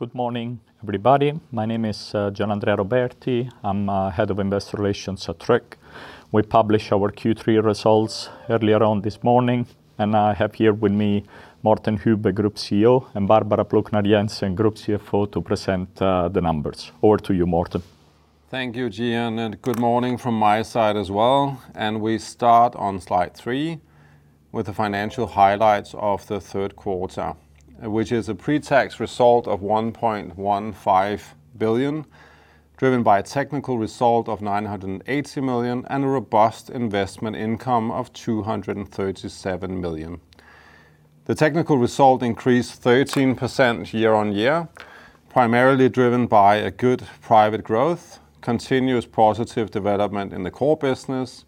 Good morning, everybody. My name is Gianandrea Roberti. I'm Head of Investor Relations at Tryg. We published our Q3 results earlier on this morning, and I have here with me Morten Hübbe, Group CEO, and Barbara Plucnar Jensen, Group CFO, to present the numbers. Over to you, Morten. Thank you, Gian. Good morning from my side as well. We start on slide three with the financial highlights of the third quarter, which is a pre-tax result of 1.15 billion, driven by a technical result of 980 million and a robust investment income of 237 million. The technical result increased 13% year-on-year, primarily driven by a good private growth, continuous positive development in the core business,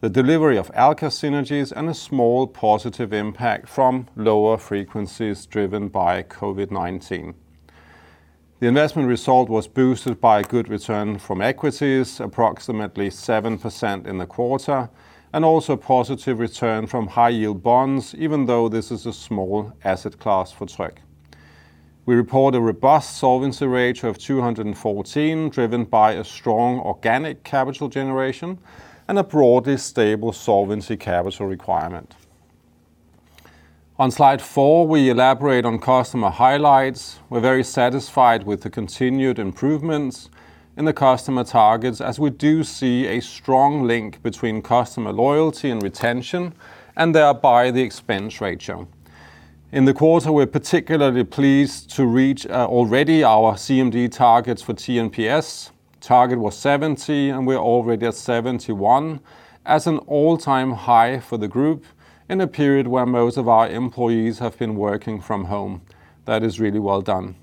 the delivery of Alka synergies, and a small positive impact from lower frequencies driven by COVID-19. The investment result was boosted by a good return from equities, approximately 7% in the quarter, and also a positive return from high-yield bonds, even though this is a small asset class for Tryg. We report a robust solvency ratio of 214, driven by a strong organic capital generation and a broadly stable solvency capital requirement. On slide four, we elaborate on customer highlights. We're very satisfied with the continued improvements in the customer targets, as we do see a strong link between customer loyalty and retention and thereby the expense ratio. In the quarter, we're particularly pleased to reach already our CMD targets for TNPS. Target was 70, and we're already at 71. As an all-time high for the group in a period where most of our employees have been working from home. That is really well done.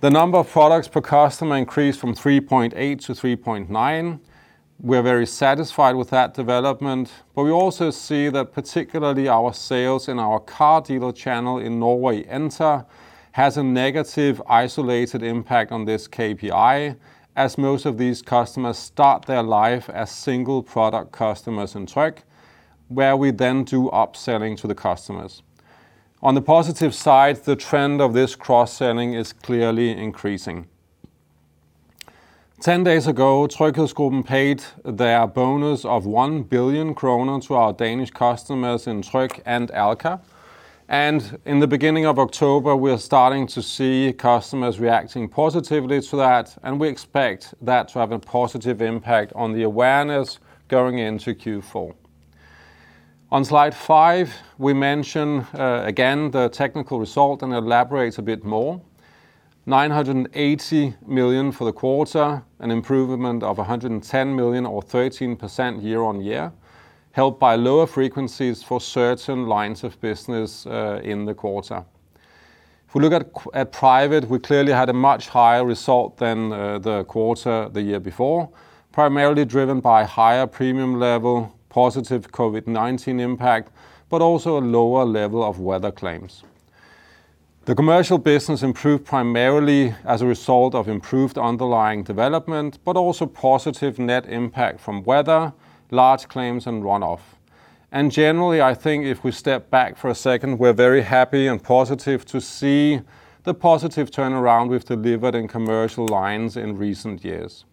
The number of products per customer increased from 3.8-3.9. We're very satisfied with that development, but we also see that particularly our sales in our car dealer channel in Norway, Enter, has a negative isolated impact on this KPI, as most of these customers start their life as single-product customers in Tryg, where we then do upselling to the customers. On the positive side, the trend of this cross-selling is clearly increasing. Ten days ago, TryghedsGruppen paid their bonus of 1 billion kroner to our Danish customers in Tryg and Alka. In the beginning of October, we are starting to see customers reacting positively to that, and we expect that to have a positive impact on the awareness going into Q4. On slide five, we mention again the technical result and elaborate a bit more. 980 million for the quarter, an improvement of 110 million or 13% year-on-year, helped by lower frequencies for certain lines of business in the quarter. If we look at private, we clearly had a much higher result than the quarter the year before, primarily driven by higher premium level, positive COVID-19 impact, but also a lower level of weather claims. The commercial business improved primarily as a result of improved underlying development, but also positive net impact from weather, large claims, and runoff. Generally, I think if we step back for a second, we're very happy and positive to see the positive turnaround we've delivered in commercial lines in recent years.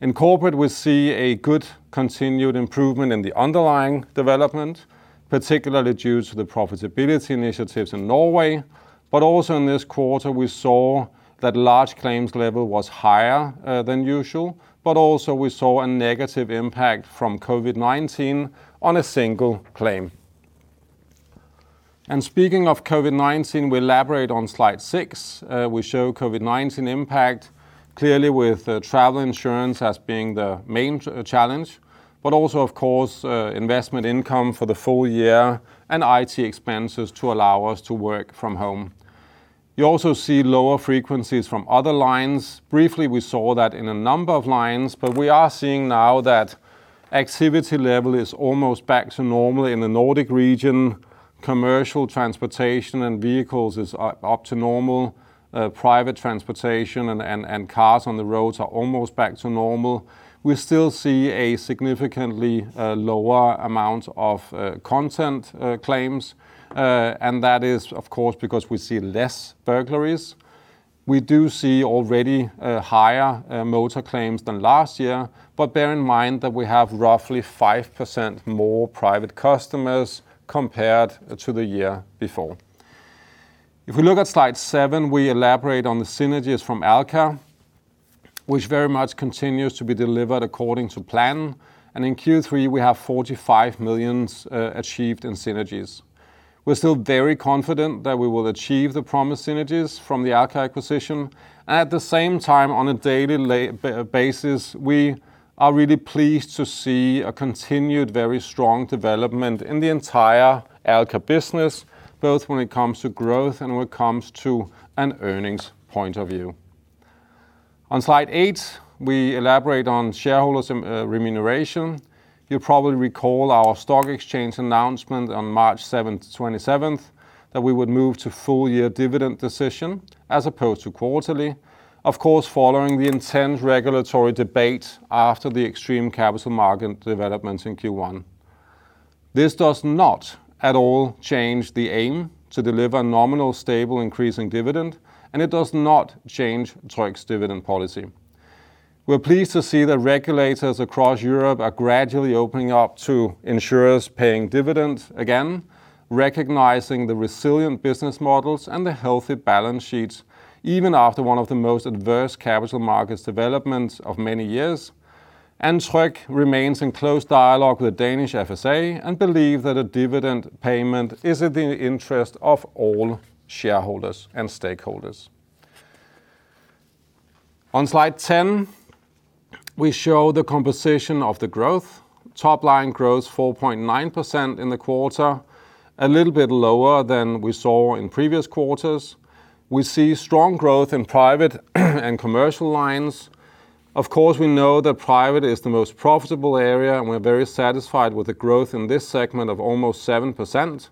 In Corporate, we see a good continued improvement in the underlying development, particularly due to the profitability initiatives in Norway. Also in this quarter, we saw that large claims level was higher than usual, but also we saw a negative impact from COVID-19 on a single claim. Speaking of COVID-19, we elaborate on slide six. We show COVID-19 impact clearly with travel insurance as being the main challenge, but also, of course, investment income for the full-year and IT expenses to allow us to work from home. You also see lower frequencies from other lines. Briefly, we saw that in a number of lines, but we are seeing now that activity level is almost back to normal in the Nordic region. Commercial transportation and vehicles is up to normal. Private transportation and cars on the roads are almost back to normal. We still see a significantly lower amount of content claims, and that is, of course, because we see less burglaries. We do see already higher motor claims than last year, but bear in mind that we have roughly 5% more private customers compared to the year before. If we look at slide seven, we elaborate on the synergies from Alka, which very much continues to be delivered according to plan. In Q3, we have 45 million achieved in synergies. We're still very confident that we will achieve the promised synergies from the Alka acquisition. At the same time, on a daily basis, we are really pleased to see a continued very strong development in the entire Alka business, both when it comes to growth and when it comes to an earnings point of view. On slide eight, we elaborate on shareholders' remuneration. You probably recall our stock exchange announcement on March 27th that we would move to full-year dividend decision as opposed to quarterly. Of course, following the intense regulatory debate after the extreme capital market developments in Q1. This does not at all change the aim to deliver nominal stable increasing dividend, and it does not change Tryg's dividend policy. We're pleased to see that regulators across Europe are gradually opening up to insurers paying dividends again, recognizing the resilient business models and the healthy balance sheets, even after one of the most adverse capital markets developments of many years. Tryg remains in close dialogue with Danish FSA and believe that a dividend payment is in the interest of all shareholders and stakeholders. On slide 10, we show the composition of the growth. Top line grows 4.9% in the quarter, a little bit lower than we saw in previous quarters. We see strong growth in private and commercial lines. Of course, we know that private is the most profitable area, and we're very satisfied with the growth in this segment of almost 7%.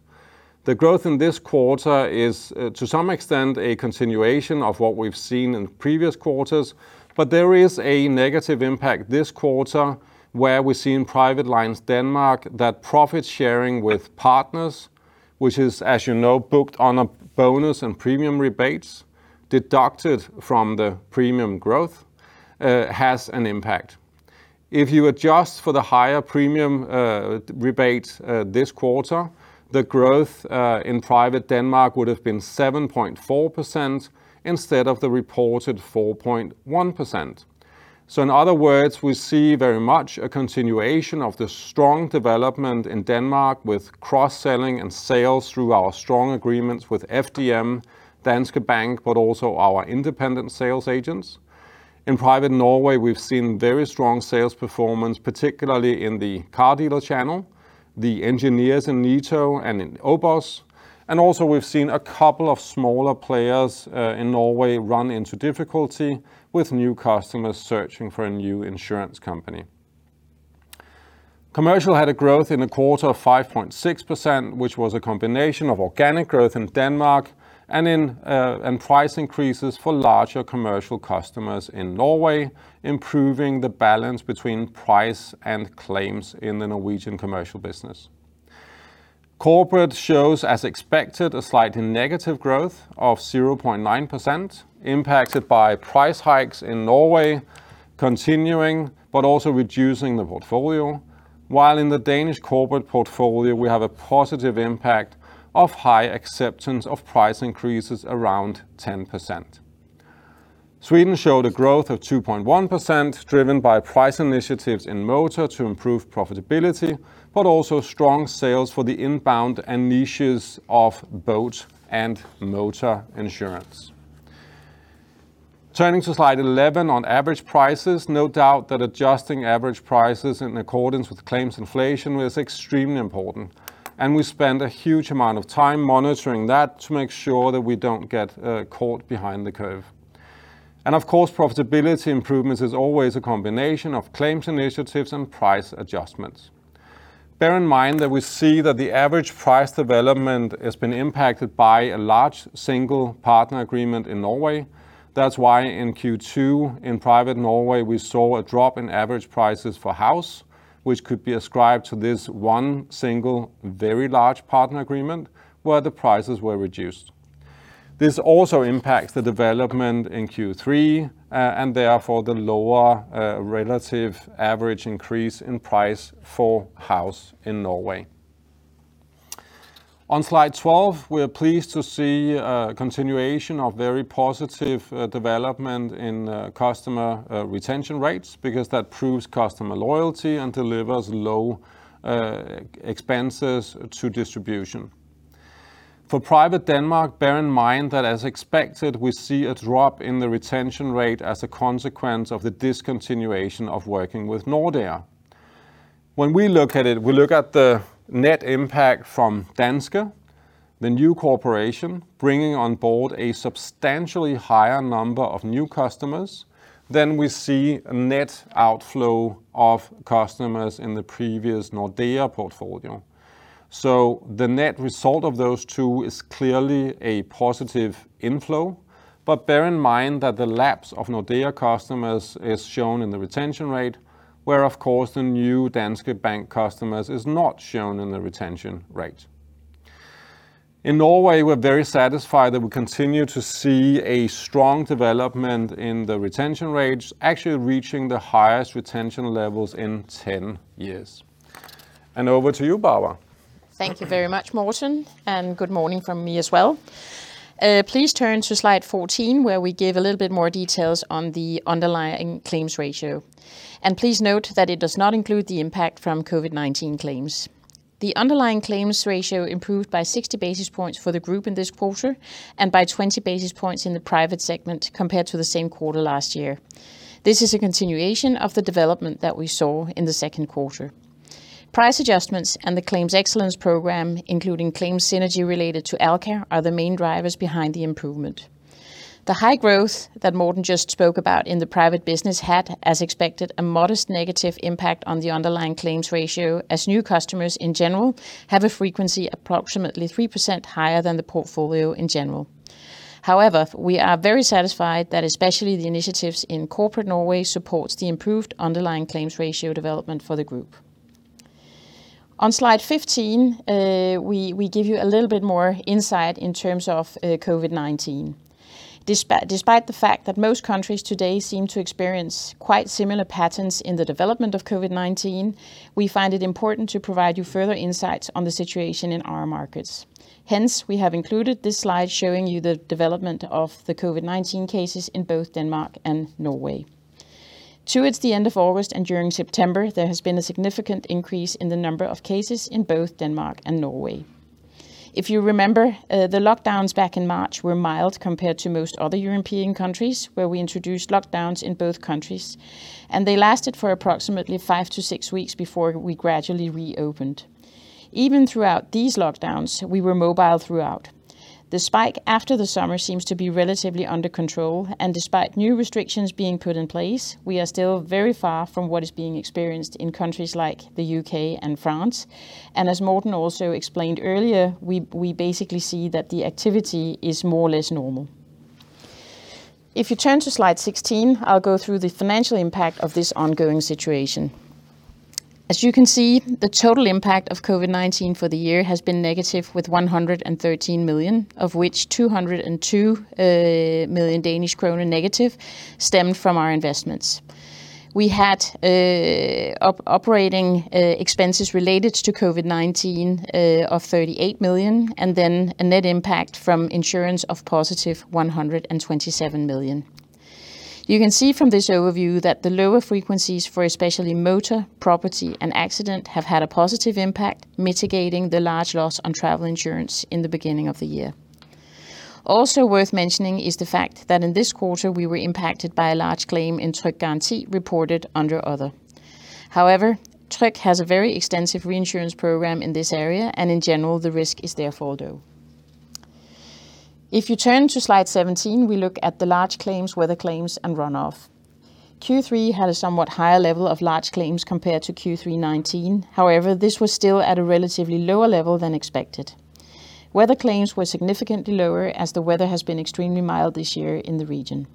The growth in this quarter is to some extent a continuation of what we've seen in previous quarters, but there is a negative impact this quarter where we see in Private Lines Denmark that profit sharing with partners, which is, as you know, booked on a bonus and premium rebates deducted from the premium growth, has an impact. If you adjust for the higher premium rebates this quarter, the growth in private Denmark would have been 7.4% instead of the reported 4.1%. In other words, we see very much a continuation of the strong development in Denmark with cross-selling and sales through our strong agreements with FDM, Danske Bank, but also our independent sales agents. In private Norway, we've seen very strong sales performance, particularly in the car dealer channel, the engineers in NITO and in OBOS. Also we've seen a couple of smaller players in Norway run into difficulty with new customers searching for a new insurance company. Commercial had a growth in the quarter of 5.6%, which was a combination of organic growth in Denmark and price increases for larger commercial customers in Norway, improving the balance between price and claims in the Norwegian commercial business. Corporate shows, as expected, a slight negative growth of 0.9%, impacted by price hikes in Norway continuing but also reducing the portfolio, while in the Danish corporate portfolio, we have a positive impact of high acceptance of price increases around 10%. Sweden showed a growth of 2.1%, driven by price initiatives in motor to improve profitability, but also strong sales for the inbound and niches of boat and motor insurance. Turning to slide 11 on average prices, no doubt that adjusting average prices in accordance with claims inflation is extremely important, and we spend a huge amount of time monitoring that to make sure that we don't get caught behind the curve. Of course, profitability improvements is always a combination of claims initiatives and price adjustments. Bear in mind that we see that the average price development has been impacted by a large single partner agreement in Norway. That's why in Q2 in private Norway, we saw a drop in average prices for house, which could be ascribed to this one single very large partner agreement where the prices were reduced. This also impacts the development in Q3, and therefore the lower relative average increase in price for house in Norway. On slide 12, we are pleased to see a continuation of very positive development in customer retention rates because that proves customer loyalty and delivers low expenses to distribution. For private Denmark, bear in mind that as expected, we see a drop in the retention rate as a consequence of the discontinuation of working with Nordea. When we look at it, we look at the net impact from Danske, the new corporation bringing on board a substantially higher number of new customers than we see a net outflow of customers in the previous Nordea portfolio. The net result of those two is clearly a positive inflow. Bear in mind that the lapse of Nordea customers is shown in the retention rate, where, of course, the new Danske Bank customers is not shown in the retention rate. In Norway, we're very satisfied that we continue to see a strong development in the retention rates, actually reaching the highest retention levels in 10 years. Over to you, Barbara. Thank you very much, Morten, and good morning from me as well. Please turn to slide 14, where we give a little bit more details on the underlying claims ratio. Please note that it does not include the impact from COVID-19 claims. The underlying claims ratio improved by 60 basis points for the group in this quarter and by 20 basis points in the private segment compared to the same quarter last year. This is a continuation of the development that we saw in the second quarter. Price adjustments and the Claims Excellence program, including claims synergy related to Alka, are the main drivers behind the improvement. The high growth that Morten just spoke about in the private business had, as expected, a modest negative impact on the underlying claims ratio as new customers in general have a frequency approximately 3% higher than the portfolio in general. However, we are very satisfied that especially the initiatives in corporate Norway supports the improved underlying claims ratio development for the group. On slide 15, we give you a little bit more insight in terms of COVID-19. Despite the fact that most countries today seem to experience quite similar patterns in the development of COVID-19, we find it important to provide you further insights on the situation in our markets. Hence, we have included this slide showing you the development of the COVID-19 cases in both Denmark and Norway. Towards the end of August and during September, there has been a significant increase in the number of cases in both Denmark and Norway. If you remember, the lockdowns back in March were mild compared to most other European countries, where we introduced lockdowns in both countries, and they lasted for approximately five to six weeks before we gradually reopened. Even throughout these lockdowns, we were mobile throughout. Despite new restrictions being put in place, we are still very far from what is being experienced in countries like the U.K. and France. As Morten also explained earlier, we basically see that the activity is more or less normal. If you turn to slide 16, I'll go through the financial impact of this ongoing situation. As you can see, the total impact of COVID-19 for the year has been negative with 113 million, of which -202 million Danish krone stemmed from our investments. We had operating expenses related to COVID-19 of 38 million, then a net impact from insurance of +127 million. You can see from this overview that the lower frequencies for especially motor, property, and accident have had a positive impact, mitigating the large loss on travel insurance in the beginning of the year. Worth mentioning is the fact that in this quarter we were impacted by a large claim in Tryg Garanti reported under other. Tryg has a very extensive reinsurance program in this area, and in general, the risk is therefore low. If you turn to slide 17, we look at the large claims, weather claims, and runoff. Q3 had a somewhat higher level of large claims compared to Q3 2019. This was still at a relatively lower level than expected. Weather claims were significantly lower as the weather has been extremely mild this year in the region.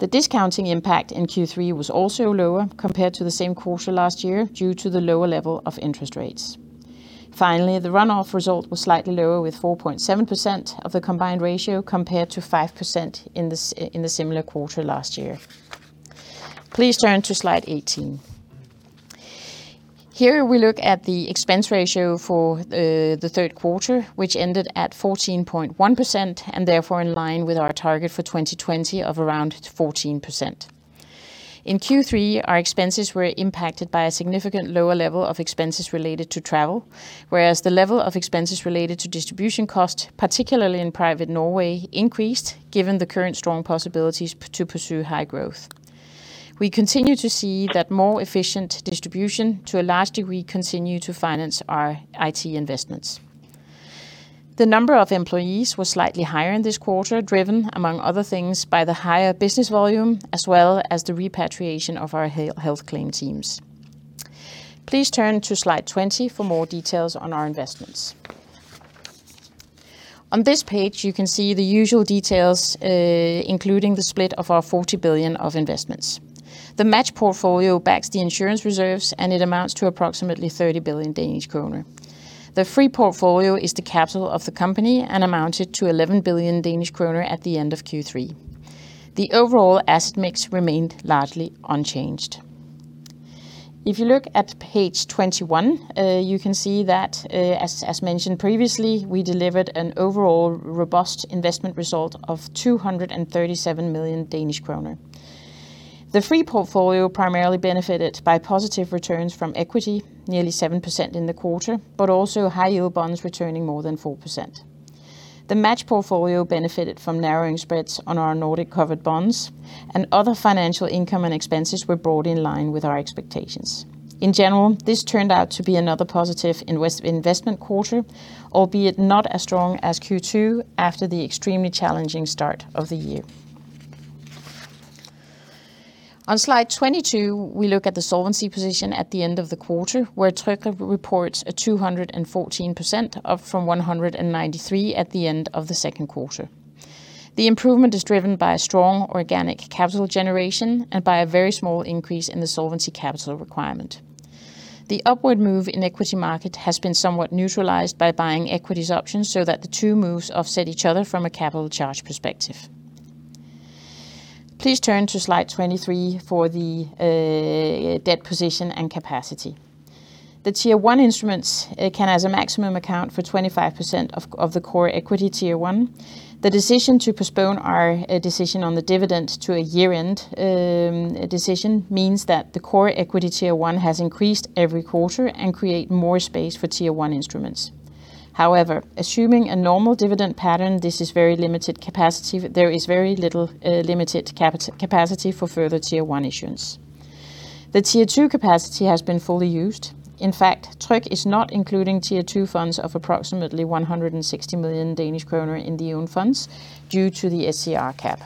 The discounting impact in Q3 was also lower compared to the same quarter last year due to the lower level of interest rates. Finally, the runoff result was slightly lower, with 4.7% of the combined ratio compared to 5% in the similar quarter last year. Please turn to slide 18. Here we look at the expense ratio for the third quarter, which ended at 14.1%, and therefore in line with our target for 2020 of around 14%. In Q3, our expenses were impacted by a significant lower level of expenses related to travel, whereas the level of expenses related to distribution costs, particularly in private Norway, increased, given the current strong possibilities to pursue high growth. We continue to see that more efficient distribution to a large degree continue to finance our IT investments. The number of employees was slightly higher in this quarter, driven among other things by the higher business volume as well as the repatriation of our health claim teams. Please turn to slide 20 for more details on our investments. On this page, you can see the usual details, including the split of our 40 billion of investments. The match portfolio backs the insurance reserves, and it amounts to approximately 30 billion Danish kroner. The free portfolio is the capital of the company and amounted to 11 billion Danish kroner at the end of Q3. The overall asset mix remained largely unchanged. If you look at page 21, you can see that, as mentioned previously, we delivered an overall robust investment result of 237 million Danish kroner. The free portfolio primarily benefited by positive returns from equity, nearly 7% in the quarter, but also high-yield bonds returning more than 4%. The match portfolio benefited from narrowing spreads on our Nordic covered bonds, and other financial income and expenses were brought in line with our expectations. In general, this turned out to be another positive investment quarter, albeit not as strong as Q2 after the extremely challenging start of the year. On slide 22, we look at the solvency position at the end of the quarter, where Tryg reports a 214%, up from 193% at the end of the second quarter. The improvement is driven by a strong organic capital generation and by a very small increase in the solvency capital requirement. The upward move in equity market has been somewhat neutralized by buying equities options so that the two moves offset each other from a capital charge perspective. Please turn to slide 23 for the debt position and capacity. The Tier 1 instruments can as a maximum account for 25% of the core equity Tier 1. The decision to postpone our decision on the dividend to a year-end decision means that the core equity Tier 1 has increased every quarter and create more space for Tier 1 instruments. However, assuming a normal dividend pattern, there is very limited capacity for further Tier 1 issuance. The Tier 2 capacity has been fully used. In fact, Tryg is not including Tier 2 funds of approximately 160 million Danish kroner in the own funds due to the SCR cap.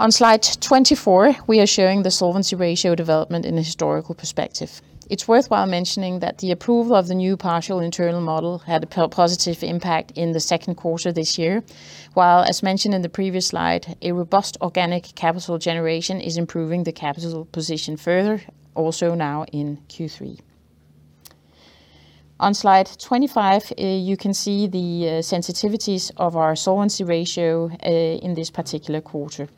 On slide 24, we are showing the solvency ratio development in a historical perspective. It's worthwhile mentioning that the approval of the new partial internal model had a positive impact in the second quarter this year. As mentioned in the previous slide, a robust organic capital generation is improving the capital position further, also now in Q3. On slide 25, you can see the sensitivities of our solvency ratio in this particular quarter.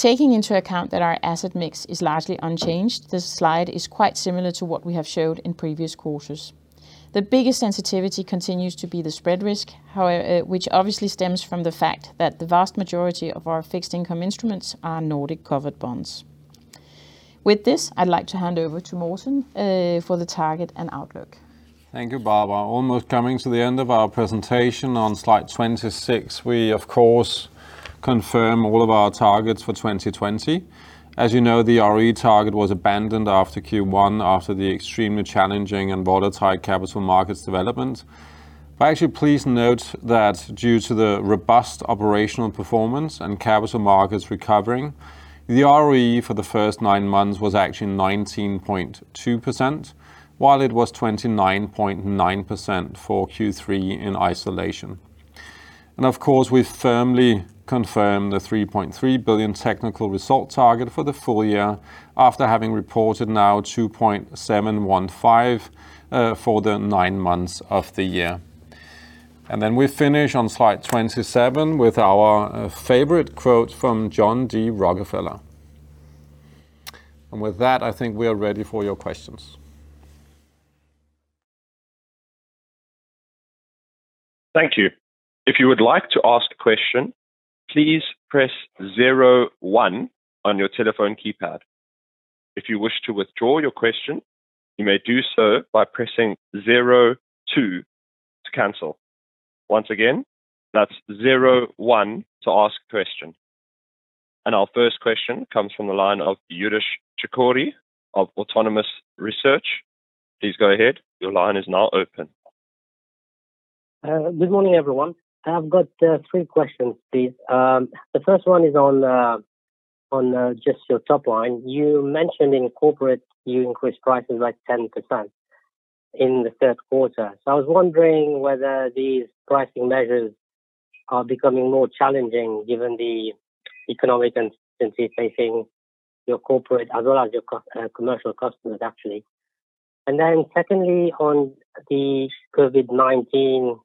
Taking into account that our asset mix is largely unchanged, this slide is quite similar to what we have showed in previous quarters. The biggest sensitivity continues to be the spread risk, which obviously stems from the fact that the vast majority of our fixed income instruments are Nordic covered bonds. With this, I'd like to hand over to Morten for the target and outlook. Thank you, Barbara. Almost coming to the end of our presentation on slide 26. We, of course, confirm all of our targets for 2020. As you know, the ROE target was abandoned after Q1, after the extremely challenging and volatile capital markets development. Actually, please note that due to the robust operational performance and capital markets recovering, the ROE for the first nine months was actually 19.2%, while it was 29.9% for Q3 in isolation. Of course, we firmly confirm the 3.3 billion technical result target for the full-year after having reported now 2.715 for the nine months of the year. Then we finish on slide 27 with our favorite quote from John D. Rockefeller. With that, I think we are ready for your questions. Thank you. If you would like to ask a question please press zero one on your telephone keypad. If you wish to withdraw your question you may do so by pressing zero two to cancel. Once again, that's zero one to ask a question. Our first question comes from the line of Youdish Chicooree of Autonomous Research. Please go ahead. Your line is now open. Good morning, everyone. I've got three questions, please. The first one is on just your top line. You mentioned in corporate you increased prices by 10% in the third quarter. I was wondering whether these pricing measures are becoming more challenging given the economic uncertainty facing your corporate as well as your commercial customers, actually. Secondly, on the COVID-19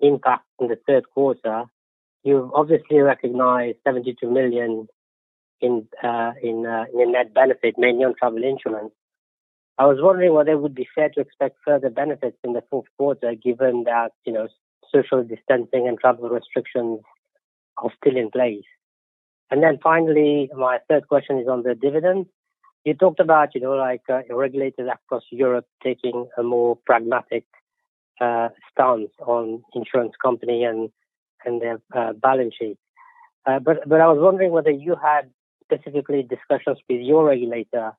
impact in the third quarter, you've obviously recognized 72 million in net benefit, mainly on travel insurance. I was wondering whether it would be fair to expect further benefits in the fourth quarter, given that social distancing and travel restrictions are still in place. Finally, my third question is on the dividend. You talked about regulators across Europe taking a more pragmatic stance on insurance company and their balance sheets. I was wondering whether you had specifically discussions with your regulator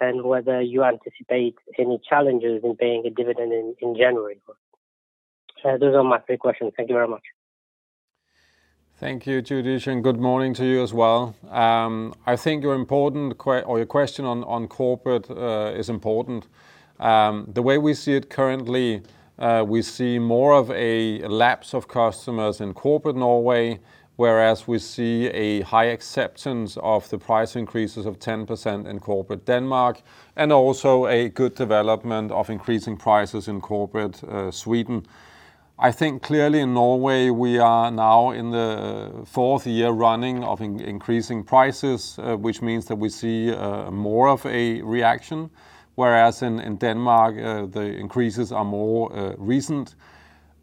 and whether you anticipate any challenges in paying a dividend in January. Those are my three questions. Thank you very much. Thank you, Youdish, and good morning to you as well. I think your question on corporate is important. The way we see it currently, we see more of a lapse of customers in corporate Norway, whereas we see a high acceptance of the price increases of 10% in corporate Denmark, and also a good development of increasing prices in corporate Sweden. I think clearly in Norway, we are now in the fourth year running of increasing prices, which means that we see more of a reaction, whereas in Denmark, the increases are more recent.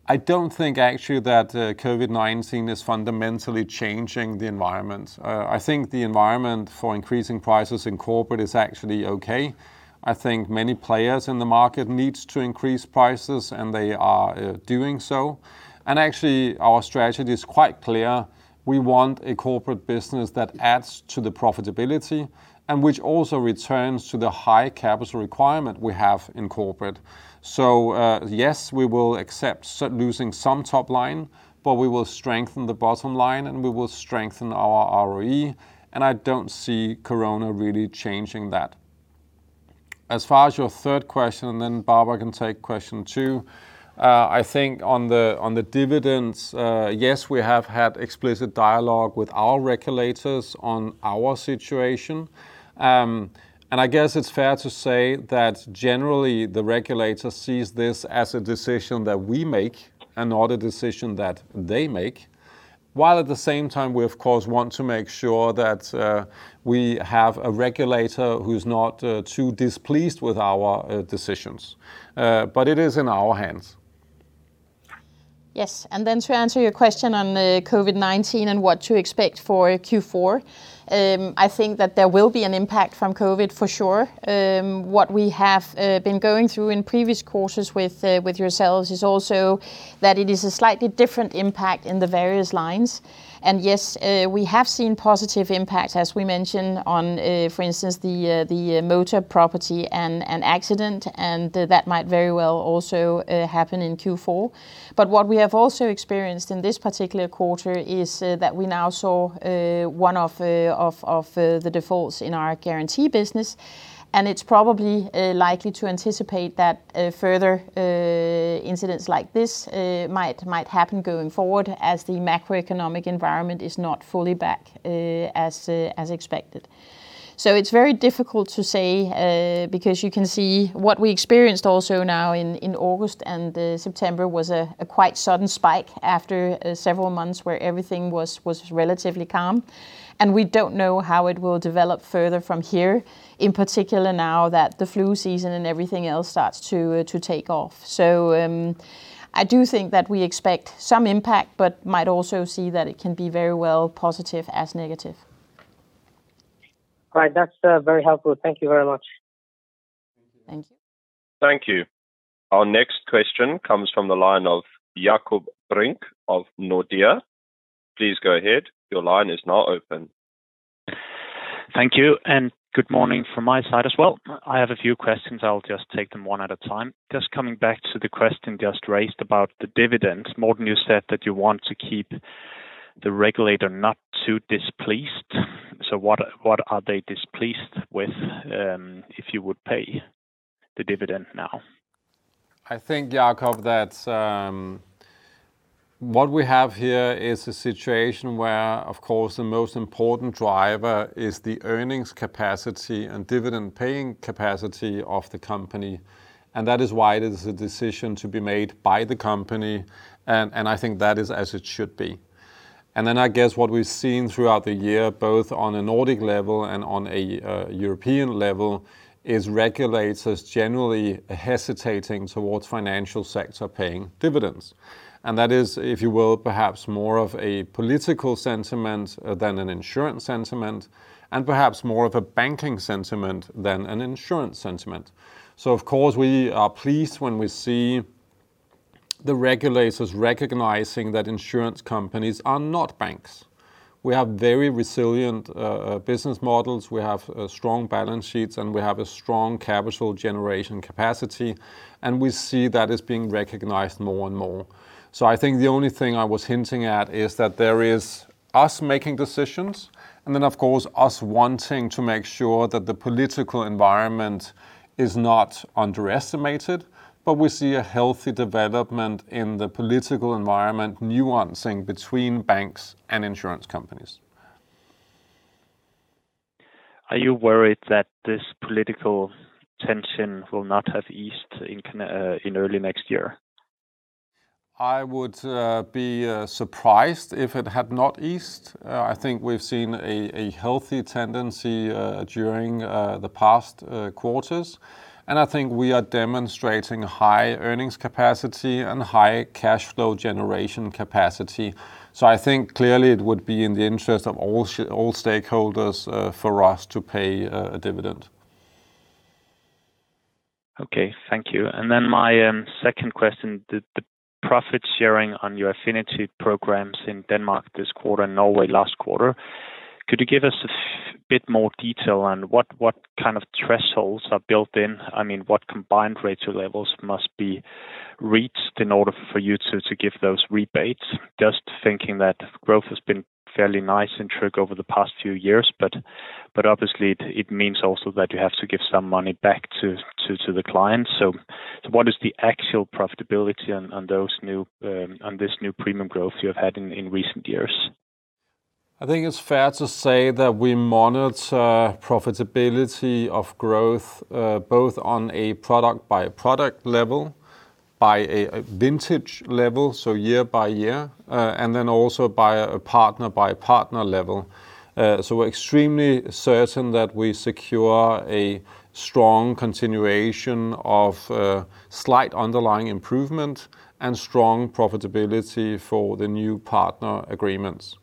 I don't think actually that COVID-19 is fundamentally changing the environment. I think the environment for increasing prices in corporate is actually okay. I think many players in the market needs to increase prices, and they are doing so. Actually, our strategy is quite clear. We want a corporate business that adds to the profitability and which also returns to the high capital requirement we have in corporate. Yes, we will accept losing some top line, but we will strengthen the bottom line, and we will strengthen our ROE, and I don't see Corona really changing that. As far as your third question, and then Barbara can take question two, I think on the dividends, yes, we have had explicit dialogue with our regulators on our situation. I guess it's fair to say that generally the regulator sees this as a decision that we make and not a decision that they make, while at the same time, we of course, want to make sure that we have a regulator who's not too displeased with our decisions. It is in our hands. Yes. Then to answer your question on COVID-19 and what to expect for Q4, I think that there will be an impact from COVID for sure. What we have been going through in previous quarters with yourselves is also that it is a slightly different impact in the various lines. Yes, we have seen positive impact, as we mentioned on, for instance, the Motor, Property, and Accident, and that might very well also happen in Q4. What we have also experienced in this particular quarter is that we now saw one of the defaults in our Guarantee business, and it's probably likely to anticipate that further incidents like this might happen going forward as the macroeconomic environment is not fully back as expected. It's very difficult to say because you can see what we experienced also now in August and September was a quite sudden spike after several months where everything was relatively calm, and we don't know how it will develop further from here, in particular now that the flu season and everything else starts to take off. I do think that we expect some impact, but might also see that it can be very well positive as negative. Right. That's very helpful. Thank you very much. Thank you. Thank you. Our next question comes from the line of Jakob Brink of Nordea. Please go ahead. Thank you. Good morning from my side as well. I have a few questions. I'll just take them one at a time. Just coming back to the question just raised about the dividends. Morten, you said that you want to keep the regulator not too displeased. What are they displeased with if you would pay the dividend now? I think, Jakob, that what we have here is a situation where, of course, the most important driver is the earnings capacity and dividend paying capacity of the company, and that is why it is a decision to be made by the company, and I think that is as it should be. Then I guess what we've seen throughout the year, both on a Nordic level and on a European level, is regulators generally hesitating towards financial sector paying dividends. That is, if you will, perhaps more of a political sentiment than an insurance sentiment, and perhaps more of a banking sentiment than an insurance sentiment. Of course, we are pleased when we see the regulators recognizing that insurance companies are not banks. We have very resilient business models. We have strong balance sheets, and we have a strong capital generation capacity, and we see that as being recognized more and more. I think the only thing I was hinting at is that there is us making decisions and then, of course, us wanting to make sure that the political environment is not underestimated, but we see a healthy development in the political environment nuancing between banks and insurance companies. Are you worried that this political tension will not have eased in early next year? I would be surprised if it had not eased. I think we've seen a healthy tendency during the past quarters. I think we are demonstrating high earnings capacity and high cash flow generation capacity. I think clearly it would be in the interest of all stakeholders for us to pay a dividend. Okay. Thank you. My second question, the profit sharing on your affinity programs in Denmark this quarter, Norway last quarter, could you give us a bit more detail on what kind of thresholds are built in? I mean, what combined ratio levels must be reached in order for you to give those rebates? Just thinking that growth has been fairly nice in Tryg over the past few years, obviously it means also that you have to give some money back to the client. What is the actual profitability on this new premium growth you have had in recent years? I think it's fair to say that we monitor profitability of growth both on a product-by-product level, by a vintage level, so year by year, and then also by a partner-by-partner level. We're extremely certain that we secure a strong continuation of slight underlying improvement and strong profitability for the new partner agreements.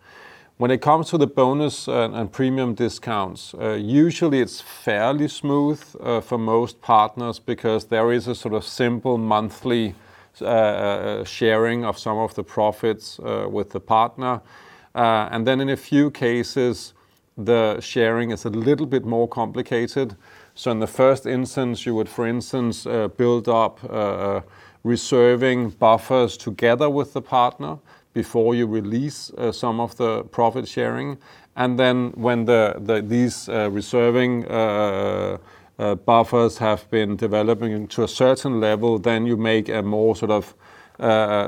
When it comes to the bonus and premium discounts, usually it's fairly smooth for most partners because there is a sort of simple monthly sharing of some of the profits with the partner. In a few cases, the sharing is a little bit more complicated. In the first instance, you would, for instance, build up reserving buffers together with the partner before you release some of the profit sharing. When these reserving buffers have been developing into a certain level, then you make a more sort of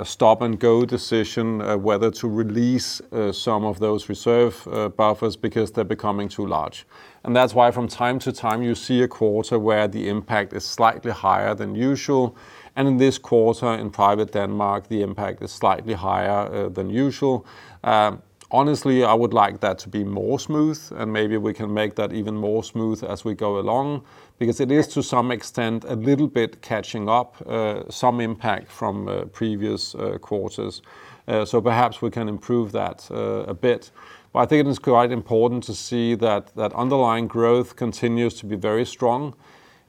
stop-and-go decision whether to release some of those reserve buffers because they're becoming too large. That's why from time to time you see a quarter where the impact is slightly higher than usual. In this quarter in private Denmark, the impact is slightly higher than usual. Honestly, I would like that to be more smooth, and maybe we can make that even more smooth as we go along because it is to some extent a little bit catching up some impact from previous quarters. Perhaps we can improve that a bit. I think it is quite important to see that underlying growth continues to be very strong.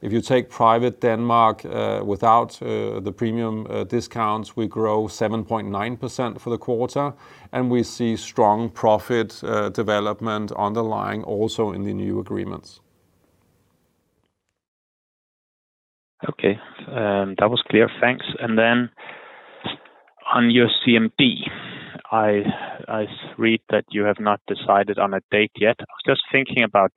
If you take private Denmark without the premium discounts, we grow 7.9% for the quarter. We see strong profit development underlying also in the new agreements. Okay. That was clear. Thanks. On your CMD, I read that you have not decided on a date yet. I was just thinking about,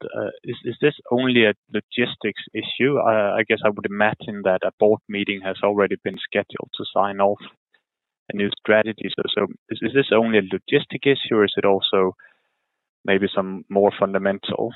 is this only a logistics issue? I guess I would imagine that a board meeting has already been scheduled to sign off a new strategy. Is this only a logistic issue, or is it also maybe some more fundamental?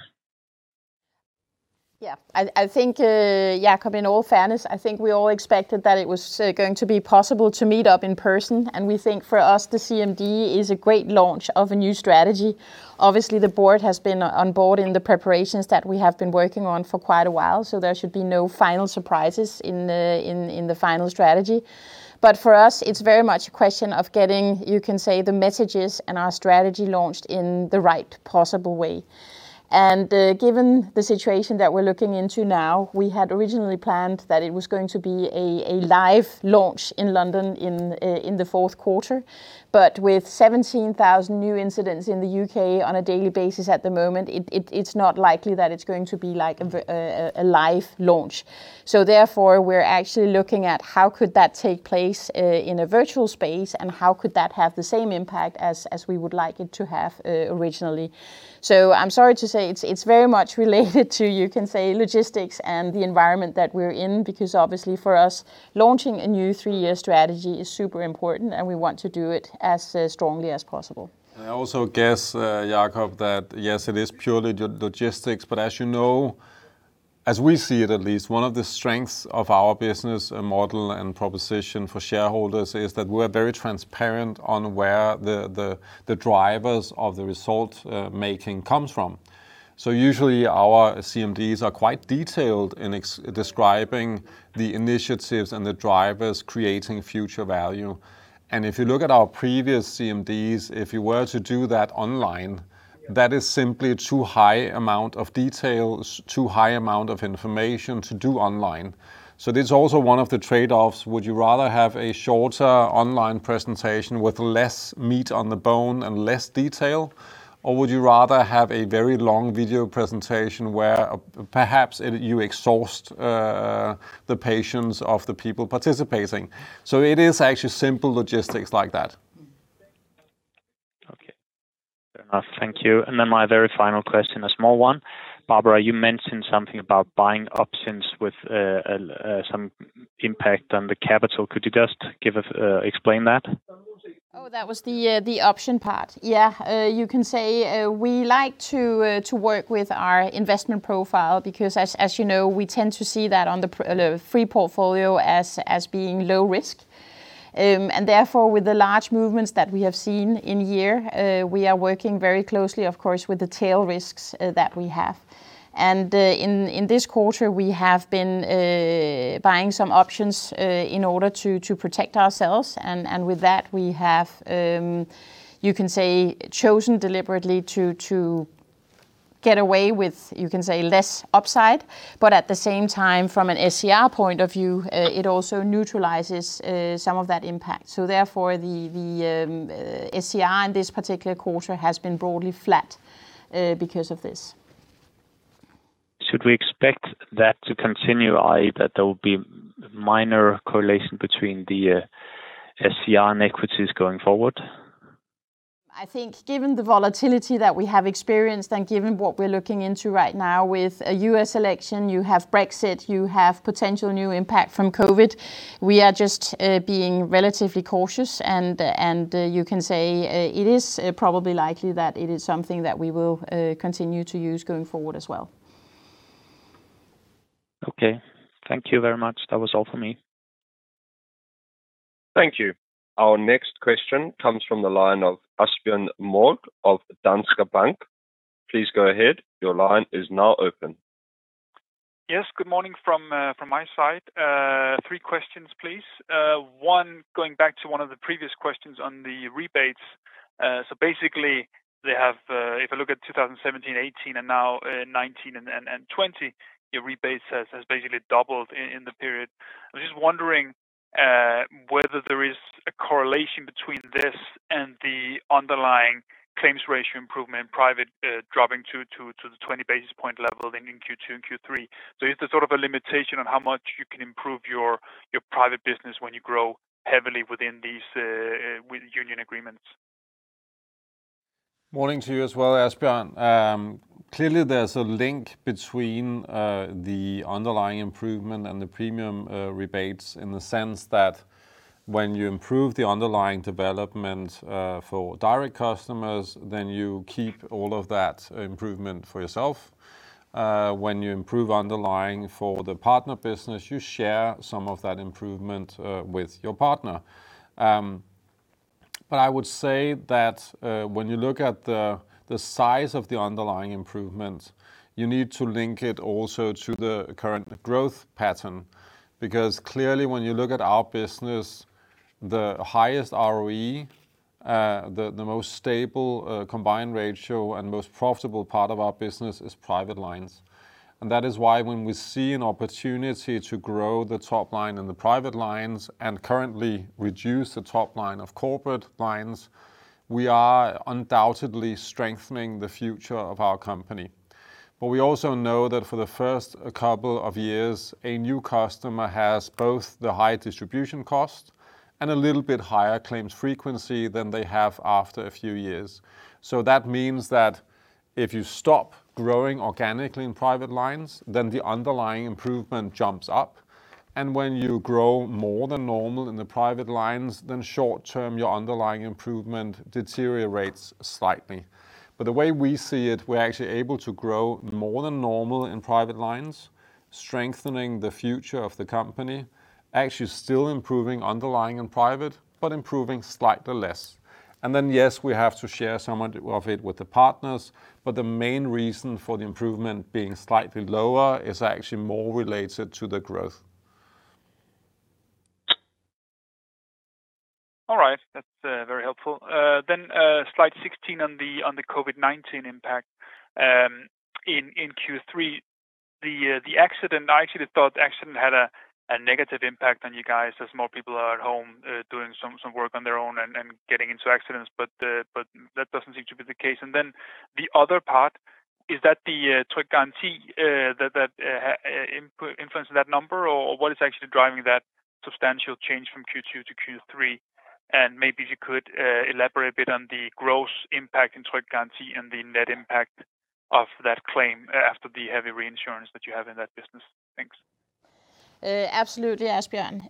Yeah. Jakob, in all fairness, I think we all expected that it was going to be possible to meet up in person. We think for us, the CMD is a great launch of a new strategy. Obviously, the board has been on board in the preparations that we have been working on for quite a while, so there should be no final surprises in the final strategy. For us, it's very much a question of getting, you can say, the messages and our strategy launched in the right possible way. Given the situation that we're looking into now, we had originally planned that it was going to be a live launch in London in the fourth quarter. With 17,000 new incidents in the U.K. on a daily basis at the moment, it's not likely that it's going to be a live launch. Therefore, we're actually looking at how could that take place in a virtual space, and how could that have the same impact as we would like it to have originally. I'm sorry to say it's very much related to, you can say, logistics and the environment that we're in, because obviously for us, launching a new three-year strategy is super important, and we want to do it as strongly as possible. I also guess, Jakob, that yes, it is purely logistics, but as you know, as we see it at least, one of the strengths of our business model and proposition for shareholders is that we're very transparent on where the drivers of the result-making comes from. Usually, our CMDs are quite detailed in describing the initiatives and the drivers creating future value. If you look at our previous CMDs, if you were to do that online, that is simply too high amount of details, too high amount of information to do online. This is also one of the trade-offs. Would you rather have a shorter online presentation with less meat on the bone and less detail, or would you rather have a very long video presentation where perhaps you exhaust the patience of the people participating? It is actually simple logistics like that. Okay. Fair enough. Thank you. My very final question, a small one. Barbara, you mentioned something about buying options with some impact on the capital. Could you just explain that? That was the option part. You can say we like to work with our investment profile because, as you know, we tend to see that on the free portfolio as being low risk. Therefore, with the large movements that we have seen in here, we are working very closely, of course, with the tail risks that we have. In this quarter, we have been buying some options in order to protect ourselves, and with that, we have chosen deliberately to get away with less upside. At the same time, from an SCR point of view, it also neutralizes some of that impact. Therefore, the SCR in this particular quarter has been broadly flat because of this. Should we expect that to continue, that there will be minor correlation between the SCR and equities going forward? I think given the volatility that we have experienced and given what we're looking into right now with a U.S. election, you have Brexit, you have potential new impact from COVID. We are just being relatively cautious. You can say it is probably likely that it is something that we will continue to use going forward as well. Okay. Thank you very much. That was all for me. Thank you. Our next question comes from the line of Asbjørn Mørk of Danske Bank. Please go ahead. Your line is now open. Yes. Good morning from my side. Three questions, please. One, going back to one of the previous questions on the rebates. Basically, if you look at 2017, 2018, and now 2019 and 2020, your rebates has basically doubled in the period. I'm just wondering whether there is a correlation between this and the underlying claims ratio improvement private dropping to the 20 basis point level then in Q2 and Q3. Is there sort of a limitation on how much you can improve your private business when you grow heavily with union agreements? Morning to you as well, Asbjørn. Clearly, there's a link between the underlying improvement and the premium rebates in the sense that when you improve the underlying development for direct customers, then you keep all of that improvement for yourself. When you improve underlying for the partner business, you share some of that improvement with your partner. I would say that when you look at the size of the underlying improvement, you need to link it also to the current growth pattern. Clearly, when you look at our business, the highest ROE, the most stable combined ratio, and most profitable part of our business is private lines. That is why when we see an opportunity to grow the top line in the private lines and currently reduce the top line of corporate lines. We are undoubtedly strengthening the future of our company. We also know that for the first couple of years, a new customer has both the high distribution cost and a little bit higher claims frequency than they have after a few years. That means that if you stop growing organically in private lines, then the underlying improvement jumps up, and when you grow more than normal in the private lines, then short term, your underlying improvement deteriorates slightly. The way we see it, we're actually able to grow more than normal in private lines, strengthening the future of the company, actually still improving underlying in private, but improving slightly less. Yes, we have to share some of it with the partners. The main reason for the improvement being slightly lower is actually more related to the growth. All right. That's very helpful. Slide 16 on the COVID-19 impact in Q3. The accident, I actually thought the accident had a negative impact on you guys as more people are at home doing some work on their own and getting into accidents, but that doesn't seem to be the case. The other part is that the Tryg Garanti that influences that number, or what is actually driving that substantial change from Q2 to Q3? Maybe if you could elaborate a bit on the gross impact in Tryg Garanti and the net impact of that claim after the heavy reinsurance that you have in that business. Thanks. Absolutely, Asbjørn.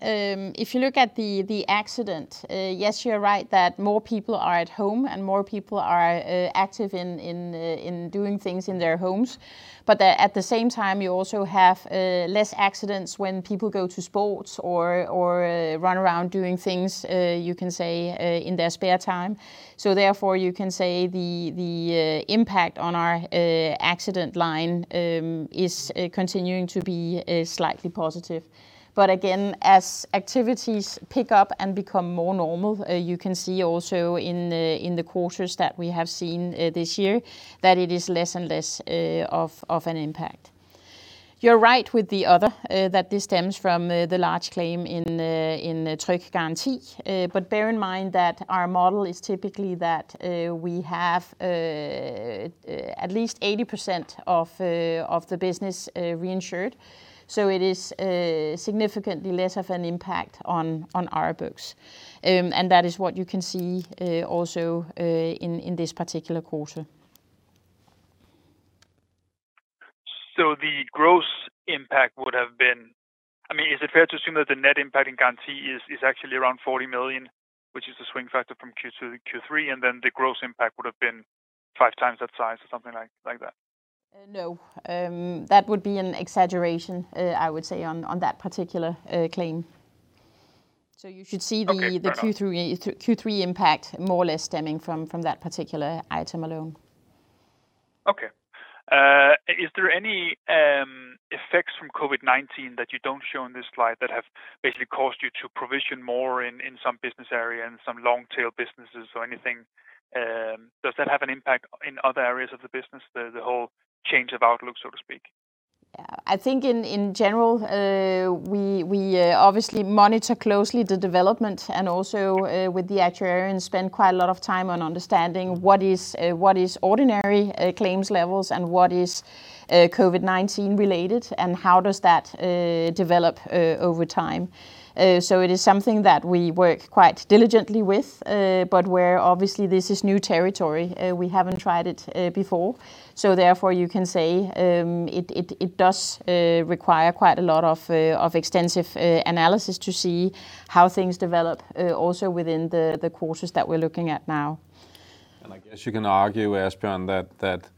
If you look at the accident, yes, you're right that more people are at home and more people are active in doing things in their homes. At the same time, you also have less accidents when people go to sports or run around doing things, you can say, in their spare time. Therefore, you can say the impact on our accident line is continuing to be slightly positive. Again, as activities pick up and become more normal, you can see also in the quarters that we have seen this year that it is less and less of an impact. You're right with the other, that this stems from the large claim in Tryg Garanti. Bear in mind that our model is typically that we have at least 80% of the business reinsured, so it is significantly less of an impact on our books. That is what you can see also in this particular quarter. Is it fair to assume that the net impact in Garanti is actually around 40 million, which is the swing factor from Q2 to Q3, and then the gross impact would have been five times that size or something like that? No. That would be an exaggeration, I would say, on that particular claim. Okay. Fair enough. the Q3 impact more or less stemming from that particular item alone. Okay. Is there any effects from COVID-19 that you don't show on this slide that have basically caused you to provision more in some business area and some long tail businesses or anything? Does that have an impact in other areas of the business, the whole change of outlook, so to speak? I think in general, we obviously monitor closely the development and also with the actuary and spend quite a lot of time on understanding what is ordinary claims levels and what is COVID-19 related, and how does that develop over time. It is something that we work quite diligently with, but where obviously this is new territory. We haven't tried it before. Therefore, you can say it does require quite a lot of extensive analysis to see how things develop also within the quarters that we're looking at now. I guess you can argue, Asbjørn, that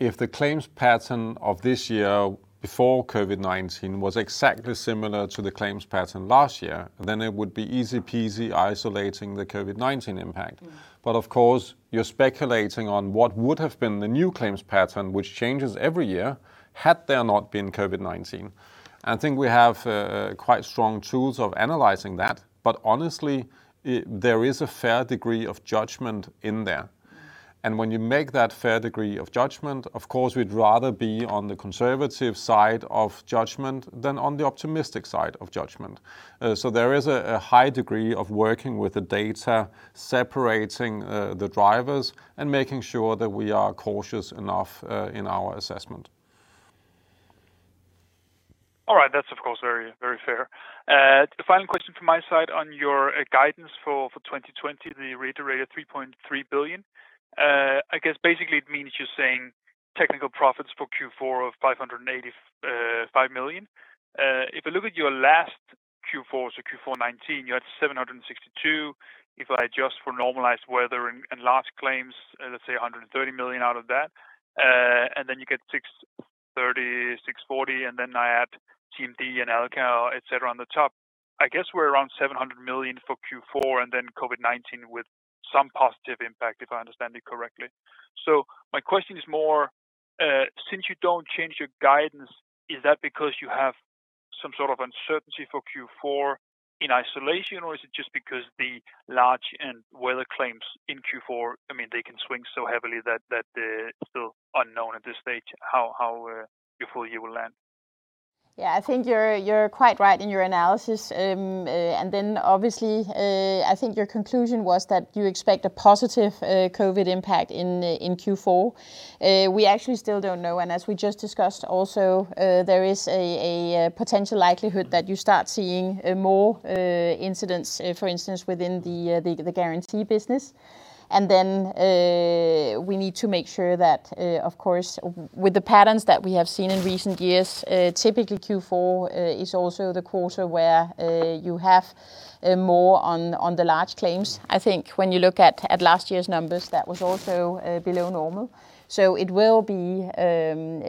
if the claims pattern of this year before COVID-19 was exactly similar to the claims pattern last year, then it would be easy peasy isolating the COVID-19 impact. Of course, you're speculating on what would have been the new claims pattern, which changes every year, had there not been COVID-19. I think we have quite strong tools of analyzing that, but honestly, there is a fair degree of judgment in there. When you make that fair degree of judgment, of course, we'd rather be on the conservative side of judgment than on the optimistic side of judgment. There is a high degree of working with the data, separating the drivers, and making sure that we are cautious enough in our assessment. All right. That's of course very fair. The final question from my side on your guidance for 2020, the reiterated 3.3 billion. I guess basically it means you're saying technical profits for Q4 of 585 million. If I look at your last Q4, so Q4 2019, you had 762 million. If I adjust for normalized weather and large claims, let's say 130 million out of that, then you get 630 million, 640 million, and then I add TMD and ALCO, et cetera, on the top. I guess we're around 700 million for Q4 and then COVID-19 with some positive impact, if I understand it correctly. My question is more, since you don't change your guidance, is that because you have some sort of uncertainty for Q4 in isolation, or is it just because the large and weather claims in Q4, they can swing so heavily that it's still unknown at this stage how your full-year will land? Yeah, I think you're quite right in your analysis. Obviously, I think your conclusion was that you expect a positive COVID impact in Q4. We actually still don't know, and as we just discussed also, there is a potential likelihood that you start seeing more incidents, for instance, within the guarantee business. We need to make sure that, of course, with the patterns that we have seen in recent years, typically Q4 is also the quarter where you have more on the large claims. I think when you look at last year's numbers, that was also below normal. It will be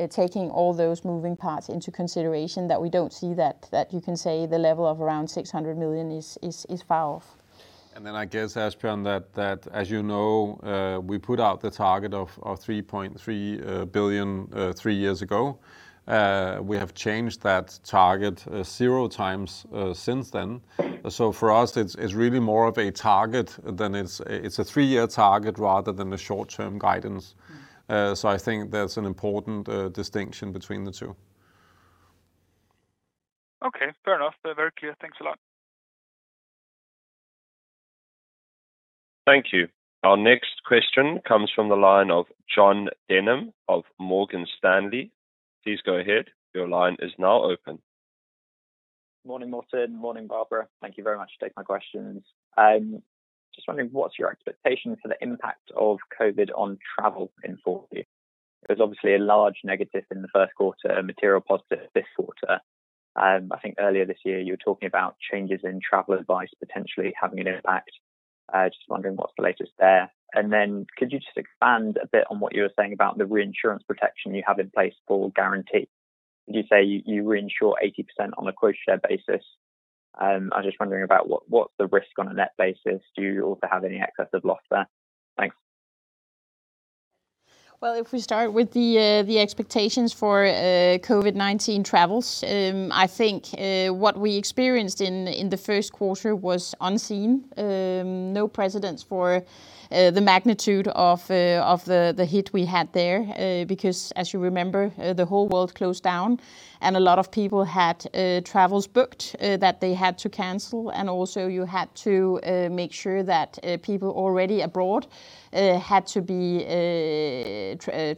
taking all those moving parts into consideration that we don't see that you can say the level of around 600 million is far off. I guess, Asbjørn, that as you know, we put out the target of 3.3 billion three years ago. We have changed that target zero times since then. For us, it's really more of a target than it's a three-year target rather than a short-term guidance. I think that's an important distinction between the two. Okay, fair enough. Very clear. Thanks a lot. Thank you. Our next question comes from the line of Jon Denham of Morgan Stanley. Please go ahead. Your line is now open. Morning, Morten. Morning, Barbara. Thank you very much for taking my questions. Just wondering what's your expectation for the impact of COVID on travel in full view? There's obviously a large negative in the first quarter, material positive this quarter. I think earlier this year you were talking about changes in travel advice potentially having an impact. Just wondering what's the latest there. Then could you just expand a bit on what you were saying about the reinsurance protection you have in place for guarantee? You say you reinsure 80% on a quota share basis. I'm just wondering about what the risk on a net basis. Do you also have any excess of loss there? Thanks. Well, if we start with the expectations for COVID-19 travels, I think what we experienced in the first quarter was unseen. No precedents for the magnitude of the hit we had there, because as you remember, the whole world closed down, and a lot of people had travels booked that they had to cancel. Also you had to make sure that people already abroad had to be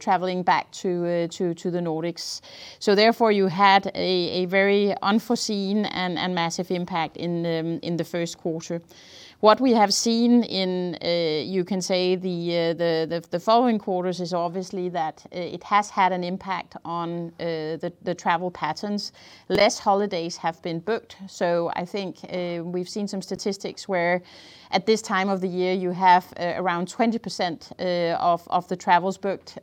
traveling back to the Nordics. Therefore, you had a very unforeseen and massive impact in the first quarter. What we have seen in, you can say the following quarters is obviously that it has had an impact on the travel patterns. Less holidays have been booked. I think we've seen some statistics where at this time of the year, you have around 20% of the travels booked